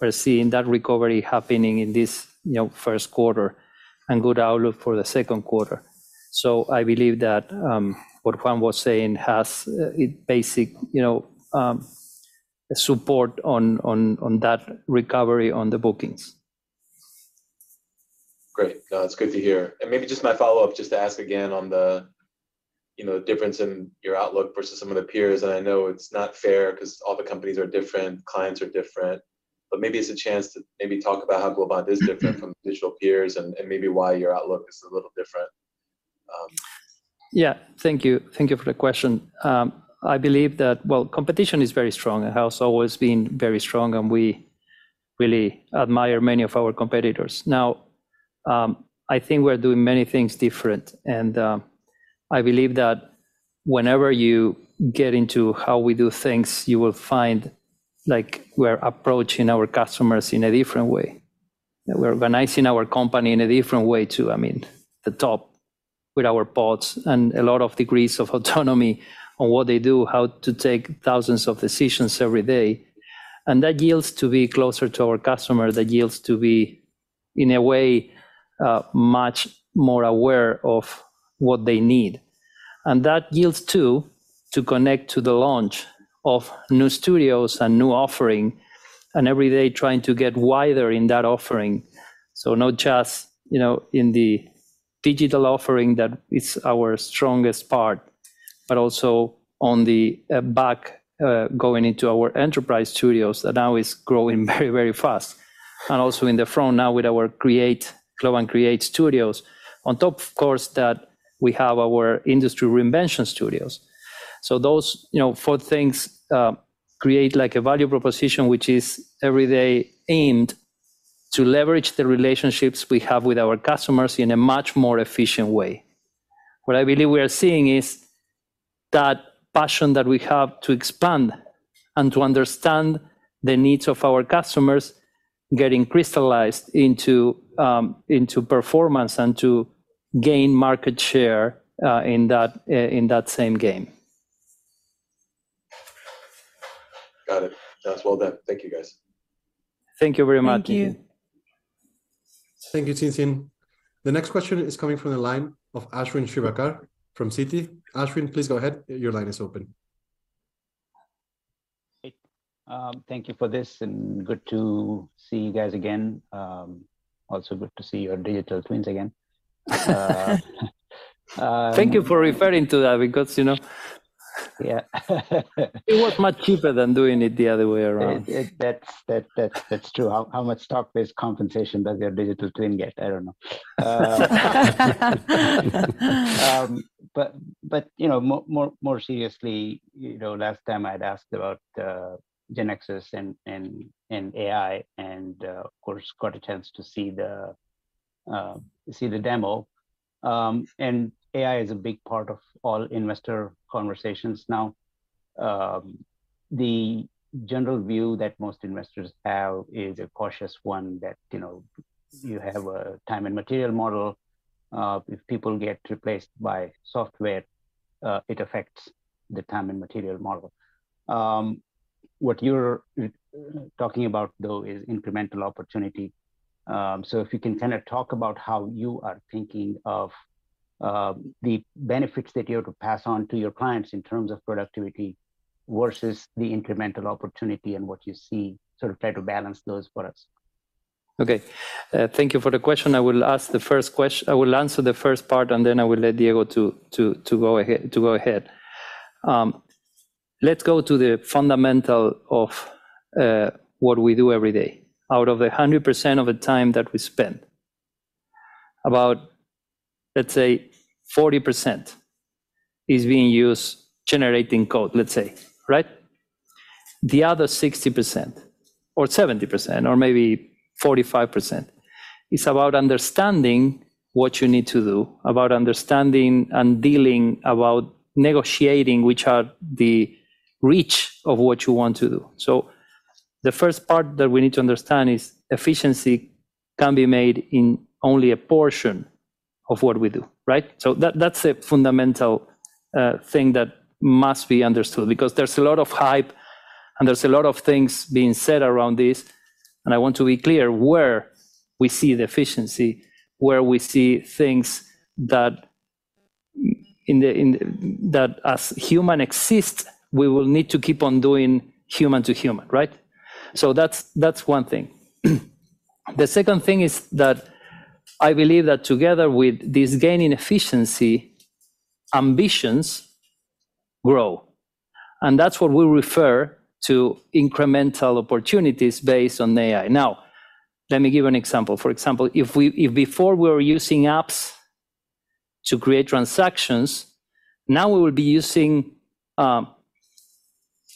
We're seeing that recovery happening in this, you know, first quarter and good outlook for the second quarter. I believe that what Juan was saying has basic, you know, support on that recovery on the bookings. Great. That's good to hear. Maybe just my follow-up just to ask again on the, you know, difference in your outlook versus some of the peers. I know it's not fair because all the companies are different, clients are different, but maybe it's a chance to maybe talk about how Globant is different from digital peers and maybe why your outlook is a little different. Yeah. Thank you. Thank you for the question. I believe that, well, competition is very strong. It has always been very strong, and we really admire many of our competitors. Now, I think we're doing many things different, and I believe that whenever you get into how we do things, you will find, like, we're approaching our customers in a different way. We're organizing our company in a different way too. I mean, the top with our bots and a lot of degrees of autonomy on what they do, how to take thousands of decisions every day. That yields to be closer to our customer, that yields to be, in a way, much more aware of what they need. That yields too to connect to the launch of new studios and new offering, and every day trying to get wider in that offering. Not just, you know, in the digital offering that is our strongest part, but also on the back, going into our enterprise studios that now is growing very, very fast. Also in the front now with our Globant Create studios. On top of course that we have our industry reinvention studios. Those, you know, four things create like a value proposition, which is every day aimed to leverage the relationships we have with our customers in a much more efficient way. What I believe we are seeing is that passion that we have to expand and to understand the needs of our customers getting crystallized into performance and to gain market share in that same game. Got it. That's well done. Thank you, guys. Thank you very much. Thank you. Thank you, Tien-Tsin. The next question is coming from the line of Ashwin Shirvaikar from Citi. Ashwin, please go ahead. Your line is open. Hey. Thank you for this and good to see you guys again. Also good to see your digital twins again. Thank you for referring to that because, you know. Yeah. It was much cheaper than doing it the other way around. That's true. How much stock-based compensation does your digital twin get? I don't know. You know, more seriously, you know, last time I'd asked about GeneXus and AI, of course, got a chance to see the demo. AI is a big part of all investor conversations now. The general view that most investors have is a cautious one that, you know, you have a time and material model. If people get replaced by software, it affects the time and material model. What you're talking about though is incremental opportunity. If you can kind of talk about how you are thinking of the benefits that you have to pass on to your clients in terms of productivity versus the incremental opportunity and what you see, sort of try to balance those for us. Okay. Thank you for the question. I will answer the first part, and then I will let Diego to go ahead. Let's go to the fundamental of what we do every day. Out of 100% of the time that we spend, about, let's say 40% is being used generating code, let's say. Right? The other 60% or 70% or maybe 45% is about understanding what you need to do, about understanding and dealing, about negotiating which are the reach of what you want to do. The first part that we need to understand is efficiency can be made in only a portion of what we do, right? That's a fundamental thing that must be understood because there's a lot of hype, and there's a lot of things being said around this. I want to be clear where we see the efficiency, where we see things that as human exists, we will need to keep on doing human to human, right? That's one thing. The second thing is that I believe that together with this gain in efficiency, ambitions grow. That's what we refer to incremental opportunities based on AI. Now, let me give you an example. For example, if before we were using apps to create transactions, now we will be using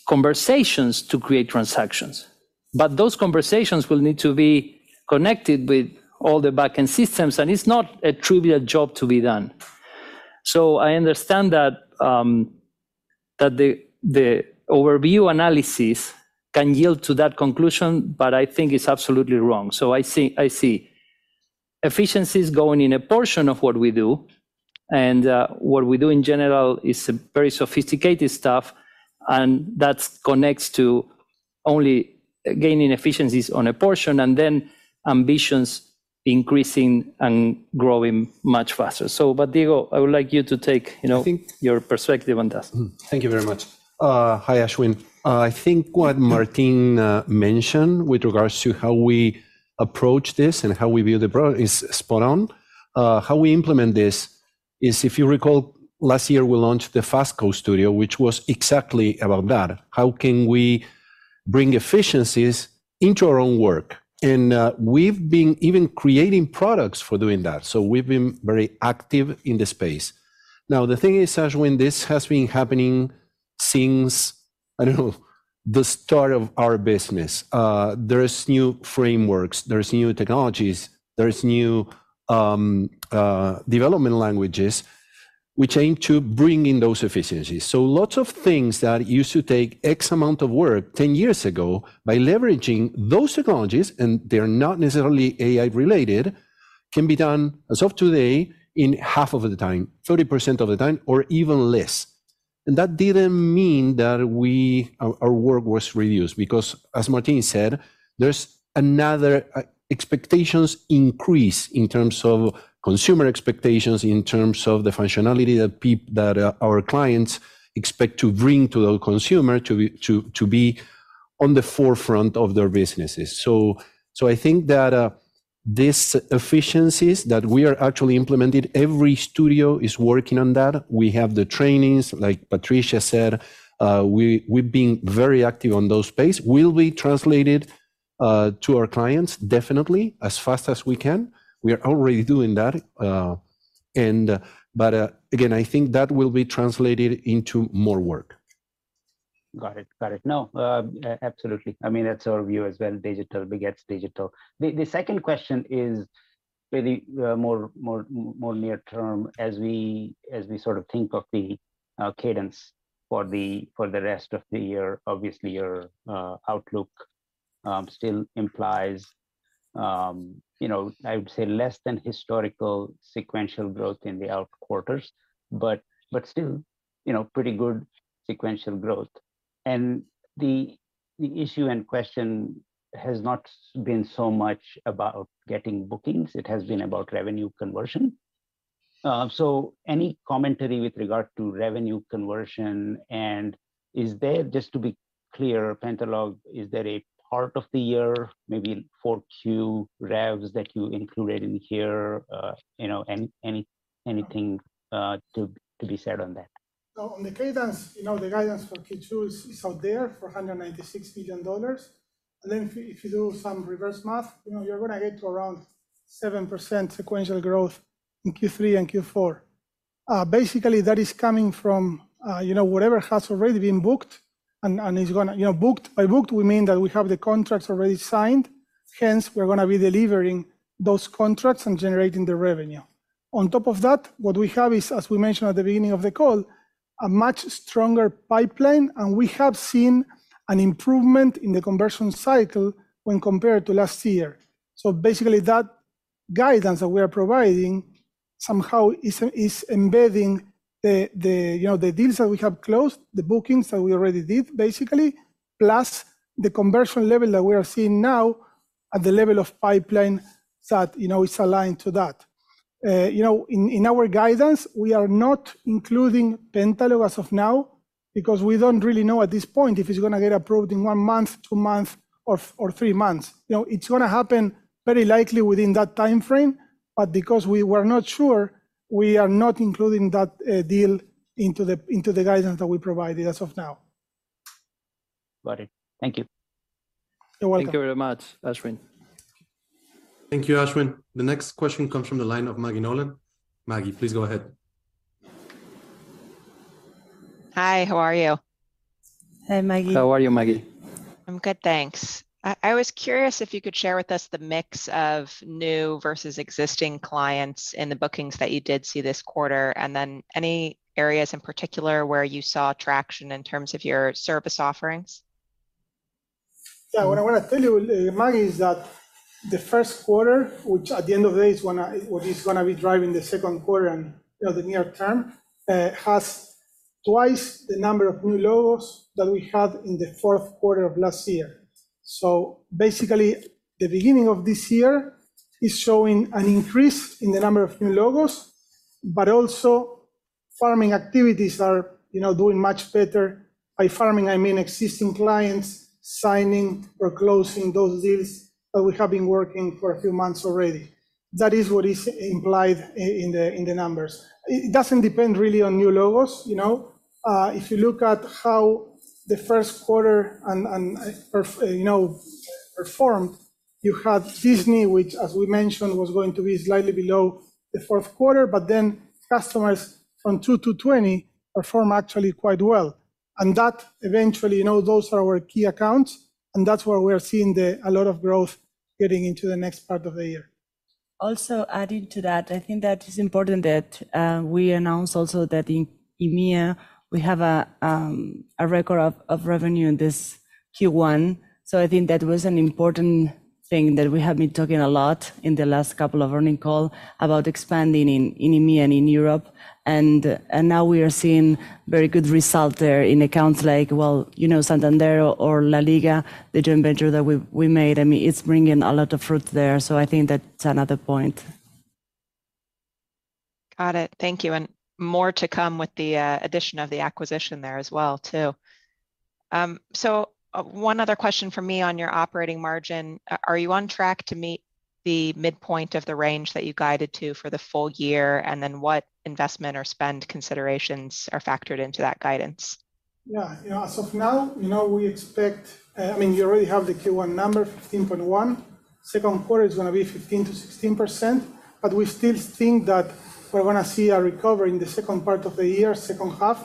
conversations to create transactions. Those conversations will need to be connected with all the backend systems, and it's not a trivial job to be done. I understand that the overview analysis can yield to that conclusion, but I think it's absolutely wrong. I see efficiencies going in a portion of what we do, and what we do in general is very sophisticated stuff, and that connects to only gaining efficiencies on a portion and then ambitions increasing and growing much faster. Diego, I would like you to take, you know, your perspective on this. Thank you very much. Hi, Ashwin. I think what Martín mentioned with regards to how we approach this and how we build a product is spot on. How we implement this is, if you recall, last year we launched the Fast Code Studio, which was exactly about that. How can we bring efficiencies into our own work? We've been even creating products for doing that. We've been very active in the space. The thing is, Ashwin, this has been happening since, I don't know, the start of our business. There's new frameworks, there's new technologies, there's new development languages which aim to bring in those efficiencies. Lots of things that used to take X amount of work 10 years ago, by leveraging those technologies, and they're not necessarily AI related, can be done as of today in half of the time, 30% of the time, or even less. That didn't mean that our work was reduced because, as Martín said, there's another expectations increase in terms of consumer expectations, in terms of the functionality that our clients expect to bring to the consumer to be on the forefront of their businesses. I think that these efficiencies that we are actually implementing, every studio is working on that. We have the trainings, like Patricia said. We've been very active on those space. Will be translated to our clients definitely as fast as we can. We are already doing that. Again, I think that will be translated into more work. Got it. No, absolutely. I mean, that's our view as well, digital begets digital. The, the second question is maybe, more, more near term as we, as we sort of think of the cadence for the, for the rest of the year. Obviously, your outlook still implies, you know, I would say less than historical sequential growth in the out quarters, but still, you know, pretty good sequential growth. The, the issue and question has not been so much about getting bookings. It has been about revenue conversion. Any commentary with regard to revenue conversion, and is there? Just to be clear, Pentalog, is there a part of the year, maybe 4Q revs that you included in here, you know, anything to be shared on that? On the cadence, you know, the guidance for Q2 is out there for $196 million. If you do some reverse math, you know, you're gonna get to around 7% sequential growth in Q3 and Q4. Basically, that is coming from, you know, whatever has already been booked. You know, booked, by booked, we mean that we have the contracts already signed, hence we're gonna be delivering those contracts and generating the revenue. On top of that, what we have is, as we mentioned at the beginning of the call, a much stronger pipeline, and we have seen an improvement in the conversion cycle when compared to last year. Basically, that guidance that we are providing somehow is embedding the, you know, the deals that we have closed, the bookings that we already did basically, plus the conversion level that we are seeing now at the level of pipeline that, you know, is aligned to that. You know, in our guidance, we are not including Pentalog as of now because we don't really know at this point if it's gonna get approved in one month, two month, or three months. You know, it's gonna happen very likely within that timeframe. Because we were not sure, we are not including that, deal into the guidance that we provided as of now. Got it. Thank you. You're welcome. Thank you very much, Ashwin. Thank you, Ashwin. The next question comes from the line of Maggie Nolan. Maggie, please go ahead. Hi, how are you? How are you, Maggie? I'm good, thanks. I was curious if you could share with us the mix of new versus existing clients in the bookings that you did see this quarter, and then any areas in particular where you saw traction in terms of your service offerings. Yeah. What I wanna tell you, Maggie, is that the first quarter, which at the end of the day is gonna, what is gonna be driving the second quarter and, you know, the near term, has twice the number of new logos than we had in the fourth quarter of last year. Basically, the beginning of this year is showing an increase in the number of new logos, but also farming activities are, you know, doing much better. By farming, I mean existing clients signing or closing those deals that we have been working for a few months already. That is what is implied in the numbers. It doesn't depend really on new logos, you know. If you look at how the first quarter and you know, performed, you have Disney, which as we mentioned, was going to be slightly below the fourth quarter, but then customers from two to 20 perform actually quite well. That eventually, you know, those are our key accounts, and that's where we're seeing the, a lot of growth getting into the next part of the year. Also adding to that, I think that is important that we announce also that in EMEA we have a record of revenue in this Q1. I think that was an important thing that we have been talking a lot in the last couple of earnings call about expanding in EMEA and in Europe. Now we are seeing very good result there in accounts like, well, you know, Santander or LALIGA, the joint venture that we made. I mean, it's bringing a lot of fruit there. I think that's another point. Got it. Thank you, and more to come with the addition of the acquisition there as well too. One other question from me on your operating margin. Are you on track to meet the midpoint of the range that you guided to for the full year? What investment or spend considerations are factored into that guidance? Yeah. As of now, you know, we expect. I mean, you already have the Q1 number, 15.1%. Second quarter is gonna be 15%-16%. We still think that we're gonna see a recovery in the second part of the year, second half,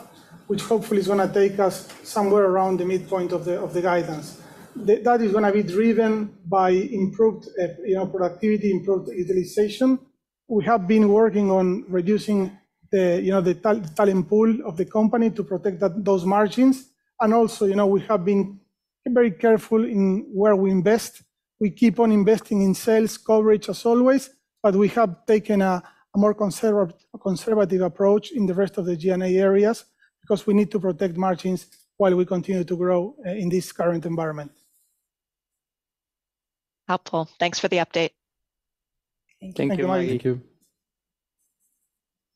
which hopefully is gonna take us somewhere around the midpoint of the guidance. That is gonna be driven by improved, you know, productivity, improved utilization. We have been working on reducing the, you know, talent pool of the company to protect that, those margins. Also, you know, we have been very careful in where we invest. We keep on investing in sales coverage as always, but we have taken a more conservative approach in the rest of the G&A areas 'cause we need to protect margins while we continue to grow in this current environment. Helpful. Thanks for the update. Thank you, Maggie.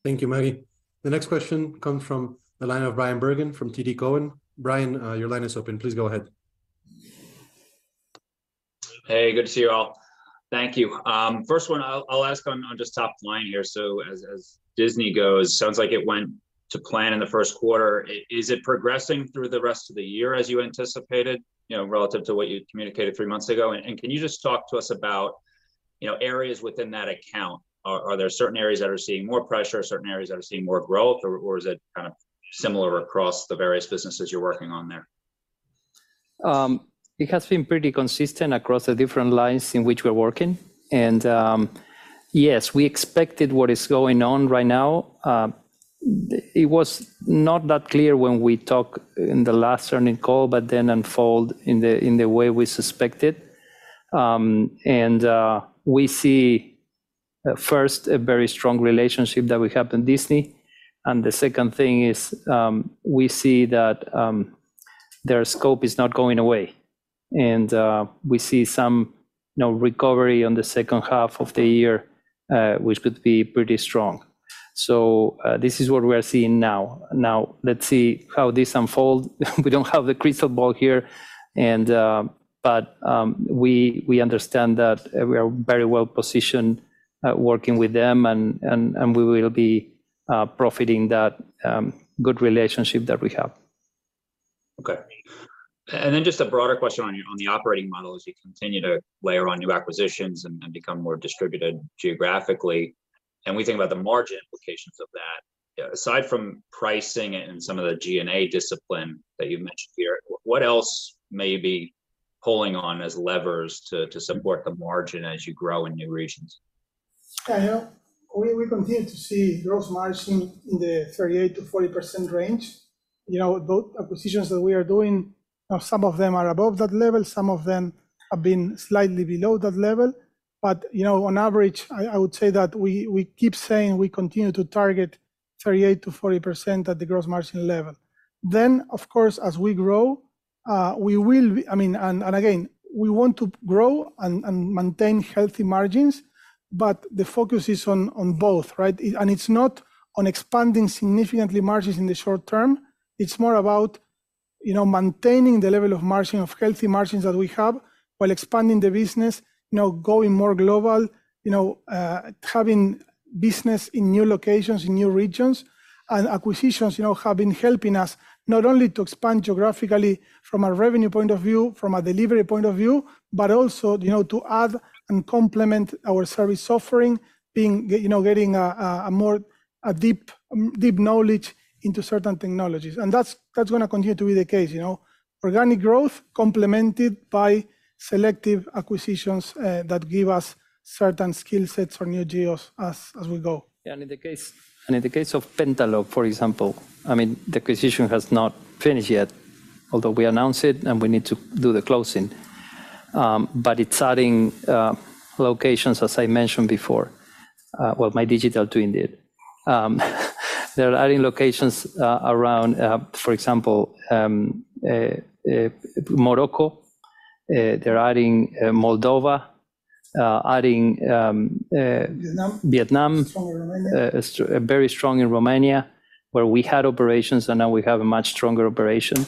Thank you, Maggie. The next question comes from the line of Bryan Bergin from TD Cowen. Bryan, your line is open. Please go ahead. Hey, good to see you all. Thank you. First one I'll ask on just top line here. As Disney goes, sounds like it went to plan in the first quarter. Is it progressing through the rest of the year as you anticipated, you know, relative to what you communicated three months ago? Can you just talk to us about, you know, areas within that account? Are there certain areas that are seeing more pressure, certain areas that are seeing more growth, or is it kind of similar across the various businesses you're working on there? It has been pretty consistent across the different lines in which we're working. Yes, we expected what is going on right now. It was not that clear when we talk in the last earning call, unfold in the way we suspected. We see first a very strong relationship that we have in Disney. The second thing is, we see that their scope is not going away. We see some, you know, recovery on the second half of the year, which could be pretty strong. This is what we are seeing now. Let's see how this unfold. We don't have the crystal ball here and, but, we understand that we are very well positioned, working with them and we will be profiting that good relationship that we have. Okay. Then just a broader question on the operating model as you continue to layer on new acquisitions and become more distributed geographically, can we think about the margin implications of that? Aside from pricing and some of the G&A discipline that you mentioned here, what else may be pulling on as levers to support the margin as you grow in new regions? Yeah. We continue to see gross margin in the 38%-40% range. You know, both acquisitions that we are doing, some of them are above that level, some of them have been slightly below that level. You know, on average, I would say that we keep saying we continue to target 38%-40% at the gross margin level. Of course, as we grow, I mean, and again, we want to grow and maintain healthy margins, but the focus is on both, right? It's not on expanding significantly margins in the short term. It's more about, you know, maintaining the level of margin, of healthy margins that we have while expanding the business, you know, going more global, you know, having business in new locations, in new regions. Acquisitions, you know, have been helping us not only to expand geographically from a revenue point of view, from a delivery point of view, but also, you know, to add and complement our service offering, being, you know, getting a more, deep knowledge into certain technologies. That's gonna continue to be the case, you know. Organic growth complemented by selective acquisitions that give us certain skill sets for new geos as we go. Yeah. In the case of Pentalog, for example, I mean, the acquisition has not finished yet, although we announced it, and we need to do the closing. It's adding locations, as I mentioned before. Well, my digital twin did. They're adding locations, around, for example, Morocco. They're adding, Moldova. Vietnam. Very strong in Romania, where we had operations, and now we have a much stronger operation.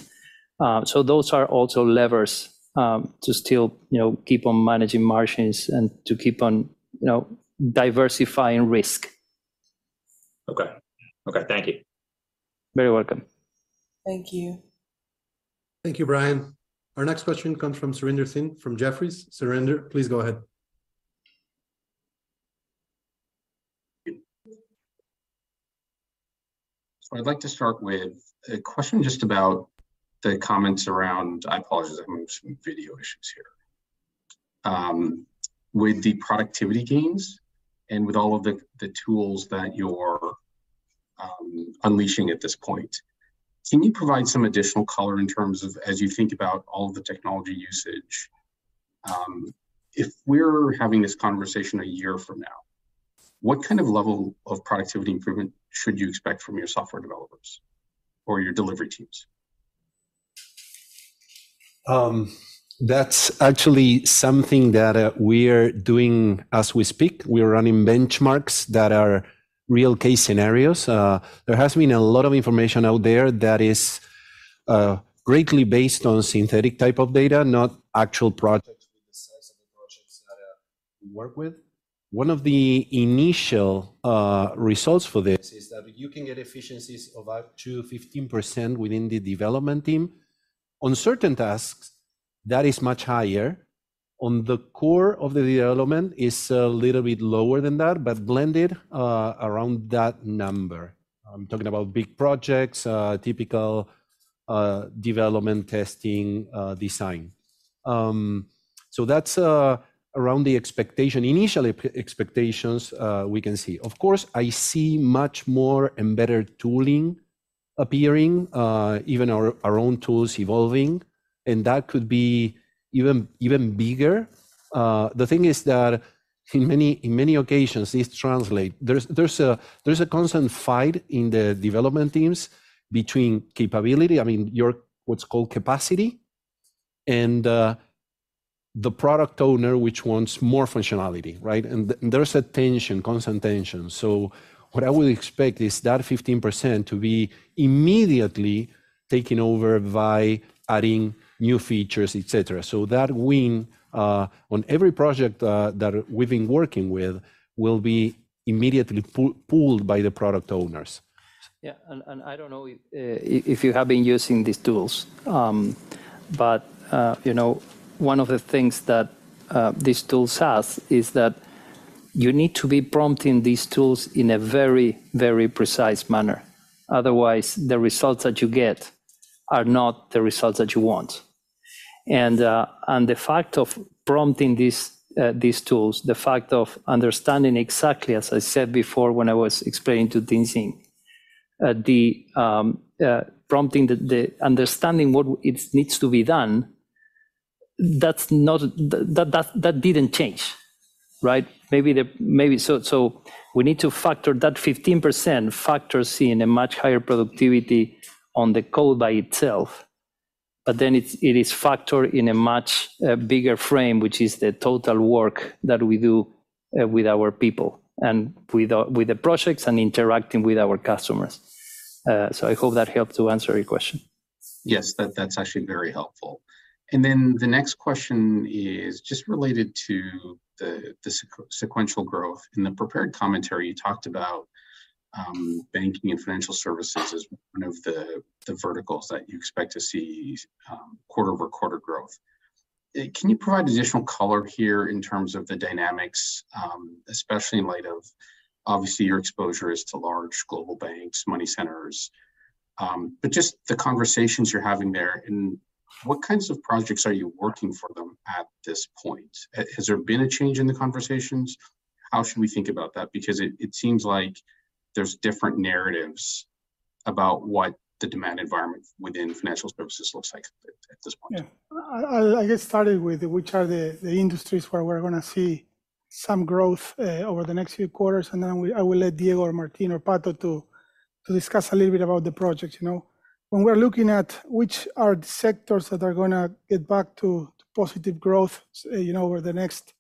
Those are also levers, to still, you know, keep on managing margins and to keep on, you know, diversifying risk. Okay, thank you. Very welcome. Thank you. Thank you, Bryan. Our next question comes from Surinder Thind from Jefferies. Surinder, please go ahead. I'd like to start with a question just about the comments around. I apologize, I'm having some video issues here. With the productivity gains and with all of the tools that you're unleashing at this point, can you provide some additional color in terms of as you think about all the technology usage? If we're having this conversation a year from now, what kind of level of productivity improvement should you expect from your software developers or your delivery teams? That's actually something that we're doing as we speak. We're running benchmarks that are real case scenarios. There has been a lot of information out there that is greatly based on synthetic type of data, not actual projects with the size of the projects that we work with. One of the initial results for this is that you can get efficiencies of up to 15% within the development team. On certain tasks, that is much higher. On the core of the development is a little bit lower than that, but blended around that number. I'm talking about big projects, typical development testing, design. That's around the expectation, initial expectations, we can see. Of course, I see much more and better tooling appearing, even our own tools evolving, and that could be even bigger. The thing is that in many occasions, there's a constant fight in the development teams between capability, I mean, your what's called capacity, and the product owner, which wants more functionality, right? There's a tension, constant tension. What I would expect is that 15% to be immediately taken over by adding new features, et cetera. That win on every project that we've been working with will be immediately pooled by the product owners. Yeah. I don't know if you have been using these tools, but you know, one of the things that these tools has is that you need to be prompting these tools in a very, very precise manner. Otherwise, the results that you get are not the results that you want. The fact of prompting these tools, the fact of understanding exactly, as I said before, when I was explaining to Ding- Xin, the prompting the understanding what it needs to be done, that didn't change, right? We need to factor that 15% factor seen a much higher productivity on the code by itself. It is factored in a much bigger frame, which is the total work that we do with our people and with the projects and interacting with our customers. I hope that helped to answer your question. Yes. That's actually very helpful. The next question is just related to the sequential growth. In the prepared commentary, you talked about banking and financial services as one of the verticals that you expect to see quarter-over-quarter growth. Can you provide additional color here in terms of the dynamics, especially in light of obviously your exposure is to large global banks, money centers, but just the conversations you're having there and what kinds of projects are you working for them at this point? Has there been a change in the conversations? How should we think about that? Because it seems like there's different narratives about what the demand environment within financial services looks like at this point. Yeah. I'll get started with which are the industries where we're gonna see some growth over the next few quarters, and then I will let Diego or Martín or Pat to discuss a little bit about the projects. You know, when we're looking at which are the sectors that are gonna get back to positive growth, you know, over the next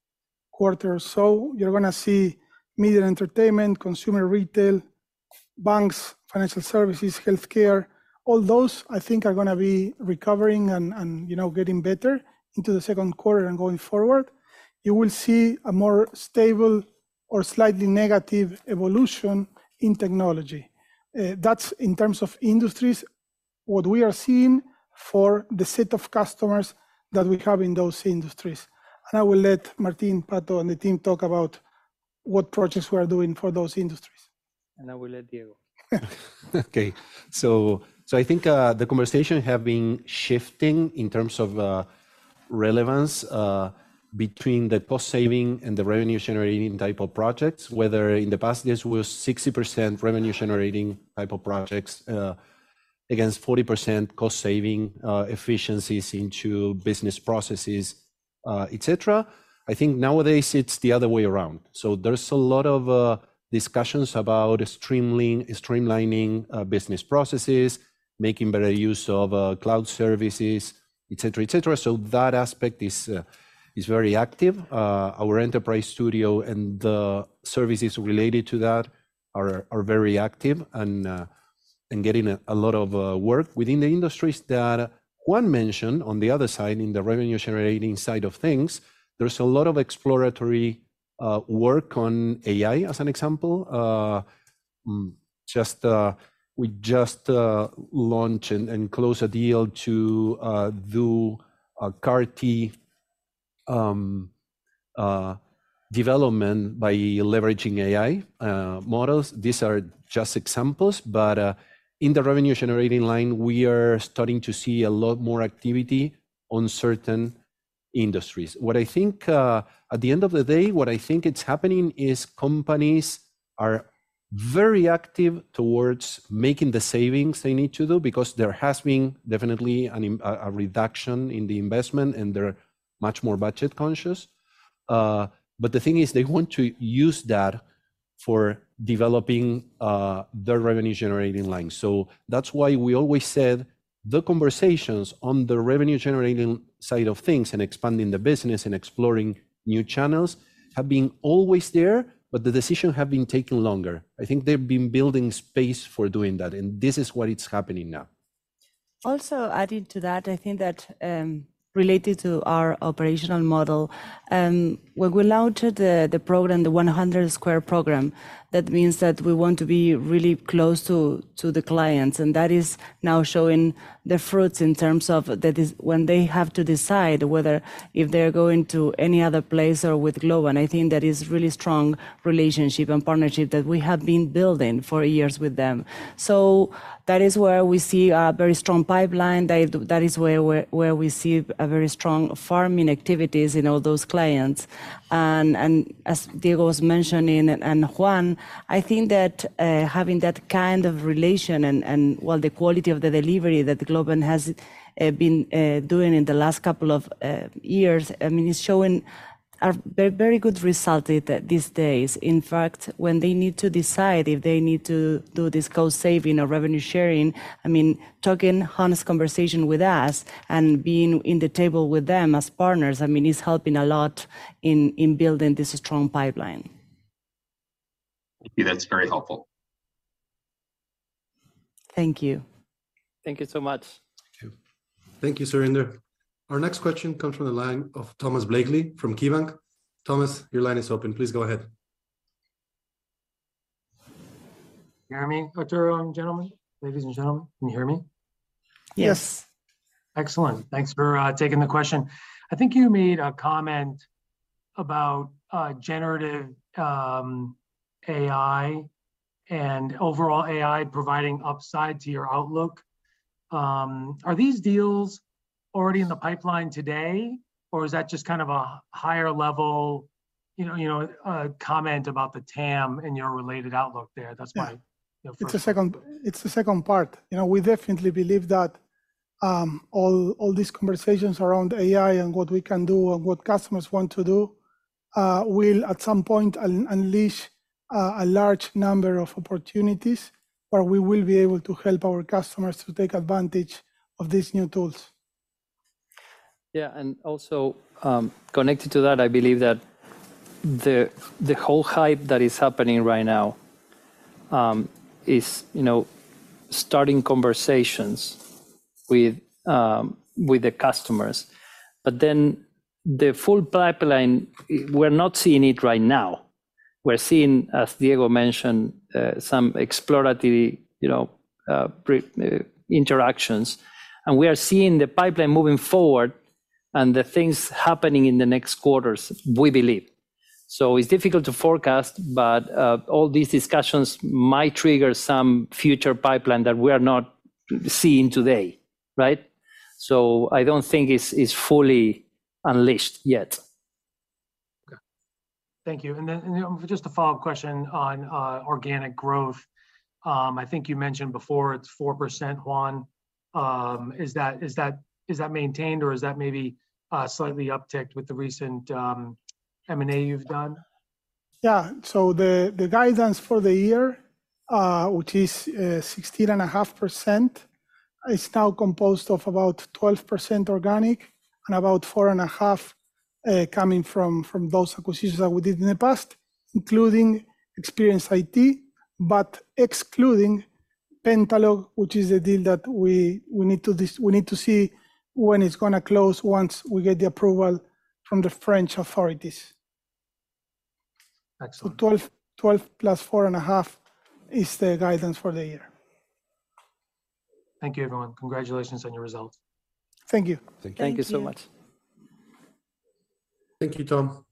quarter or so, you're gonna see media and entertainment, consumer retail, banks, financial services, healthcare, all those I think are gonna be recovering and, you know, getting better into the second quarter and going forward. You will see a more stable or slightly negative evolution in technology. That's in terms of industries, what we are seeing for the set of customers that we have in those industries. I will let Martín, Pat, and the team talk about what projects we are doing for those industries. I will let Diego. Okay. I think the conversation have been shifting in terms of relevance between the cost saving and the revenue generating type of projects, whether in the past this was 60% revenue generating type of projects against 40% cost saving efficiencies into business processes, et cetera. I think nowadays it's the other way around. There's a lot of discussions about streamlining business processes, making better use of cloud services, et cetera, et cetera. That aspect is very active. Our enterprise studio and the services related to that are very active and getting a lot of work within the industries that Juan mentioned on the other side in the revenue generating side of things. There's a lot of exploratory work on AI as an example. We just launched and closed a deal to do a CAR-T development by leveraging AI models. These are just examples, in the revenue generating line, we are starting to see a lot more activity on certain industries. What I think, at the end of the day, what I think it's happening is companies are very active towards making the savings they need to do because there has been definitely a reduction in the investment, and they're much more budget conscious. The thing is they want to use that for developing their revenue generating line. That's why we always said the conversations on the revenue generating side of things and expanding the business and exploring new channels have been always there, but the decision have been taking longer. I think they've been building space for doing that, and this is what it's happening now. Adding to that, I think that related to our operational model, when we launched the program, the 100 Squared program, that means that we want to be really close to the clients, and that is now showing the fruits in terms of that is when they have to decide whether if they're going to any other place or with Globant. I think that is really strong relationship and partnership that we have been building for years with them. That is where we see a very strong pipeline. That is where we see a very strong farming activities in all those clients. As Diego was mentioning, and Juan, I think that, having that kind of relation and, while the quality of the delivery that Globant has been doing in the last couple of years, I mean, it's showing a very good result these days. In fact, when they need to decide if they need to do this cost saving or revenue sharing, I mean, talking honest conversation with us and being in the table with them as partners, I mean, is helping a lot in building this strong pipeline. Thank you. That's very helpful. Thank you. Thank you so much. Thank you, Surinder. Our next question comes from the line of Thomas Blakey from KeyBanc. Thomas, your line is open. Please go ahead. Can you hear me, Arturo and gentlemen? Ladies and gentlemen, can you hear me? Yes. Excellent. Thanks for taking the question. I think you made a comment about generative AI and overall AI providing upside to your outlook. Are these deals already in the pipeline today, or is that just kind of a higher level, you know, a comment about the TAM and your related outlook there? That's my, you know, first. It's the second part. You know, we definitely believe that all these conversations around AI and what we can do and what customers want to do, will at some point unleash a large number of opportunities where we will be able to help our customers to take advantage of these new tools. Yeah. Also, connected to that, I believe that the whole hype that is happening right now, is you know starting conversations with the customers. The full pipeline, we're not seeing it right now. We're seeing, as Diego mentioned, some exploratory, you know, pre-interactions, and we are seeing the pipeline moving forward and the things happening in the next quarters, we believe. It's difficult to forecast, but all these discussions might trigger some future pipeline that we are not seeing today, right? I don't think it's fully unleashed yet. Okay. Thank you. Just a follow-up question on organic growth. I think you mentioned before it's 4%, Juan. Is that maintained or is that maybe slightly up-ticked with the recent M&A you've done? The guidance for the year, which is 16.5%, is now composed of about 12% organic and about 4.5% coming from those acquisitions that we did in the past, including ExperienceIT, but excluding Pentalog, which is a deal that we need to see when it's gonna close once we get the approval from the French authorities. Excellent. 12% + 4.5% is the guidance for the year. Thank you, everyone. Congratulations on your results. Thank you. Thank you so much. Thank you, Tom.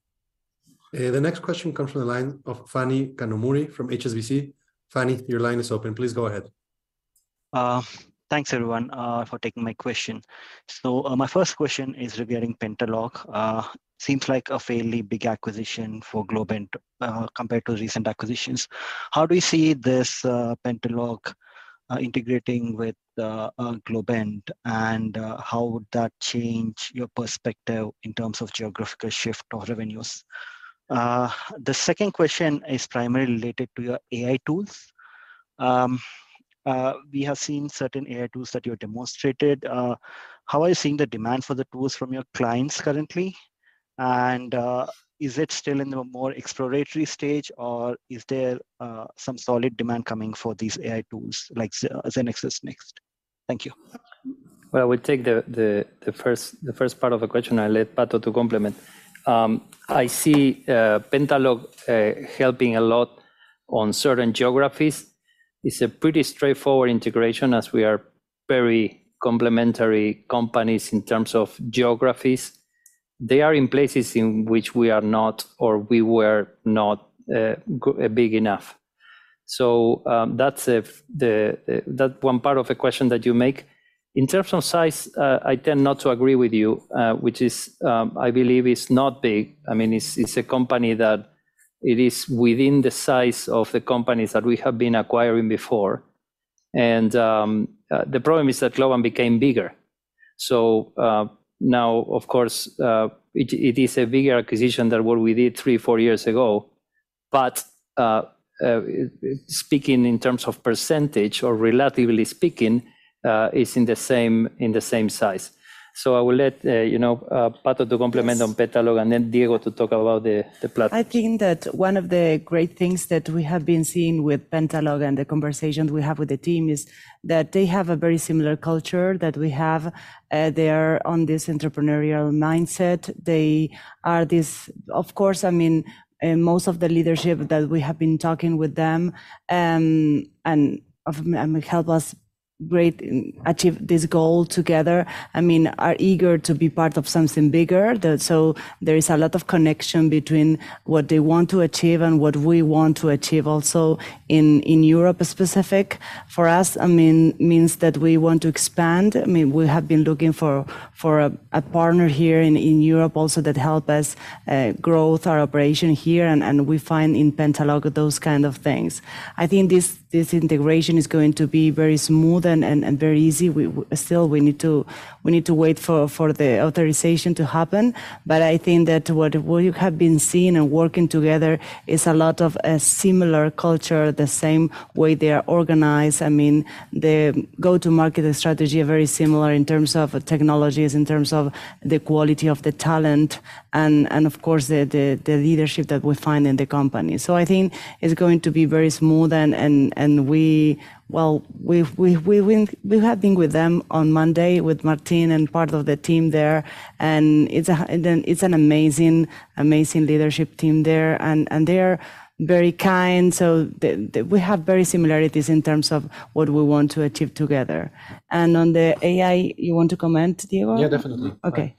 The next question comes from the line of Phani Kanumuri from HSBC. Phani, your line is open. Please go ahead. Thanks everyone, for taking my question. My first question is regarding Pentalog. Seems like a fairly big acquisition for Globant, compared to recent acquisitions. How do you see this Pentalog integrating with Globant, and how would that change your perspective in terms of geographical shift or revenues? The second question is primarily related to your AI tools. We have seen certain AI tools that you have demonstrated. How are you seeing the demand for the tools from your clients currently? Is it still in a more exploratory stage, or is there some solid demand coming for these AI tools like GeneXus Next? Thank you. Well, I will take the first part of the question, and I'll let Pat to complement. I see Pentalog helping a lot. On certain geographies. It's a pretty straightforward integration as we are very complementary companies in terms of geographies. They are in places in which we are not or we were not big enough. That's that one part of the question that you make. In terms of size, I tend not to agree with you, which is I believe is not big. I mean, it's a company that it is within the size of the companies that we have been acquiring before. The problem is that Globant became bigger. Now of course, it is a bigger acquisition than what we did three, four years ago. Speaking in terms of percentage or relatively speaking, it's in the same size. I will let, you know, Pat to comment on Pentalog and then Diego to talk about the platform. I think that one of the great things that we have been seeing with Pentalog and the conversations we have with the team is that they have a very similar culture that we have. They are on this entrepreneurial mindset. Of course, I mean, most of the leadership that we have been talking with them, and help us great achieve this goal together, I mean, are eager to be part of something bigger. There is a lot of connection between what they want to achieve and what we want to achieve also in Europe specific. For us, I mean, means that we want to expand. I mean, we have been looking for a partner here in Europe also that help us, growth our operation here. We find in Pentalog those kind of things. I think this integration is going to be very smooth and very easy. We still we need to wait for the authorization to happen. I think that what we have been seeing and working together is a lot of a similar culture, the same way they are organized. I mean, the go-to-market strategy are very similar in terms of technologies, in terms of the quality of the talent and of course the leadership that we find in the company. I think it's going to be very smooth and we. Well, we've had been with them on Monday with Martín and part of the team there, and it's an amazing leadership team there. They're very kind. We have very similarities in terms of what we want to achieve together. On the AI, you want to comment, Diego? Yeah, definitely. Okay.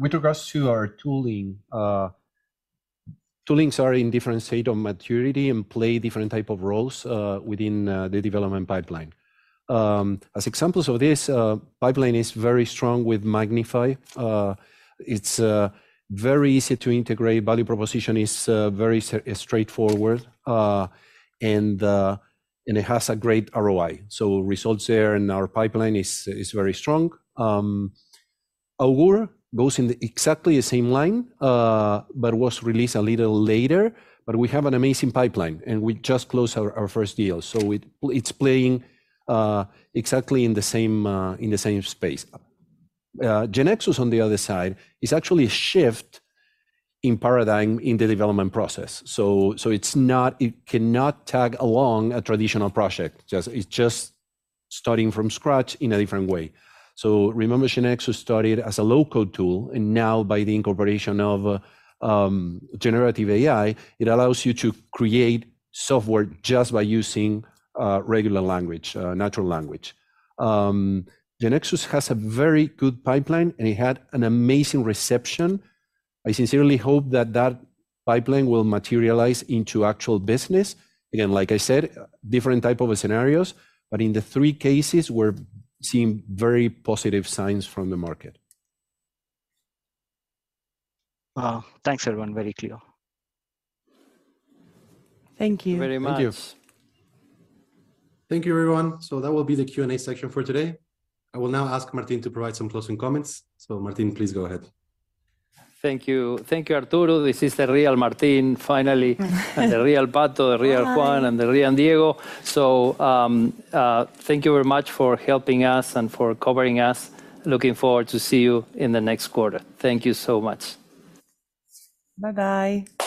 With regards to our tooling, toolings are in different state of maturity and play different type of roles within the development pipeline. As examples of this, pipeline is very strong with MagnifAI. It's very easy to integrate. Value proposition is very straightforward, and it has a great ROI. Results there in our pipeline is very strong. Augoor goes in the exactly the same line, but was released a little later. We have an amazing pipeline, and we just closed our first deal. It, it's playing exactly in the same in the same space. GeneXus on the other side is actually a shift in paradigm in the development process. It cannot tag along a traditional project. It's just starting from scratch in a different way. Remember GeneXus started as a low-code tool, and now by the incorporation of generative AI, it allows you to create software just by using regular language, natural language. GeneXus has a very good pipeline, and it had an amazing reception. I sincerely hope that pipeline will materialize into actual business. Again, like I said, different type of scenarios. In the three cases, we're seeing very positive signs from the market. Wow. Thanks everyone. Very clear. Thank you. Very much. Thank you everyone. That will be the Q&A section for today. I will now ask Martín to provide some closing comments. Martín, please go ahead. Thank you. Thank you, Arturo. This is the real Martín finally. The real Pat. Hi The real Juan, and the real Diego. Thank you very much for helping us and for covering us. Looking forward to see you in the next quarter. Thank you so much. Bye-bye.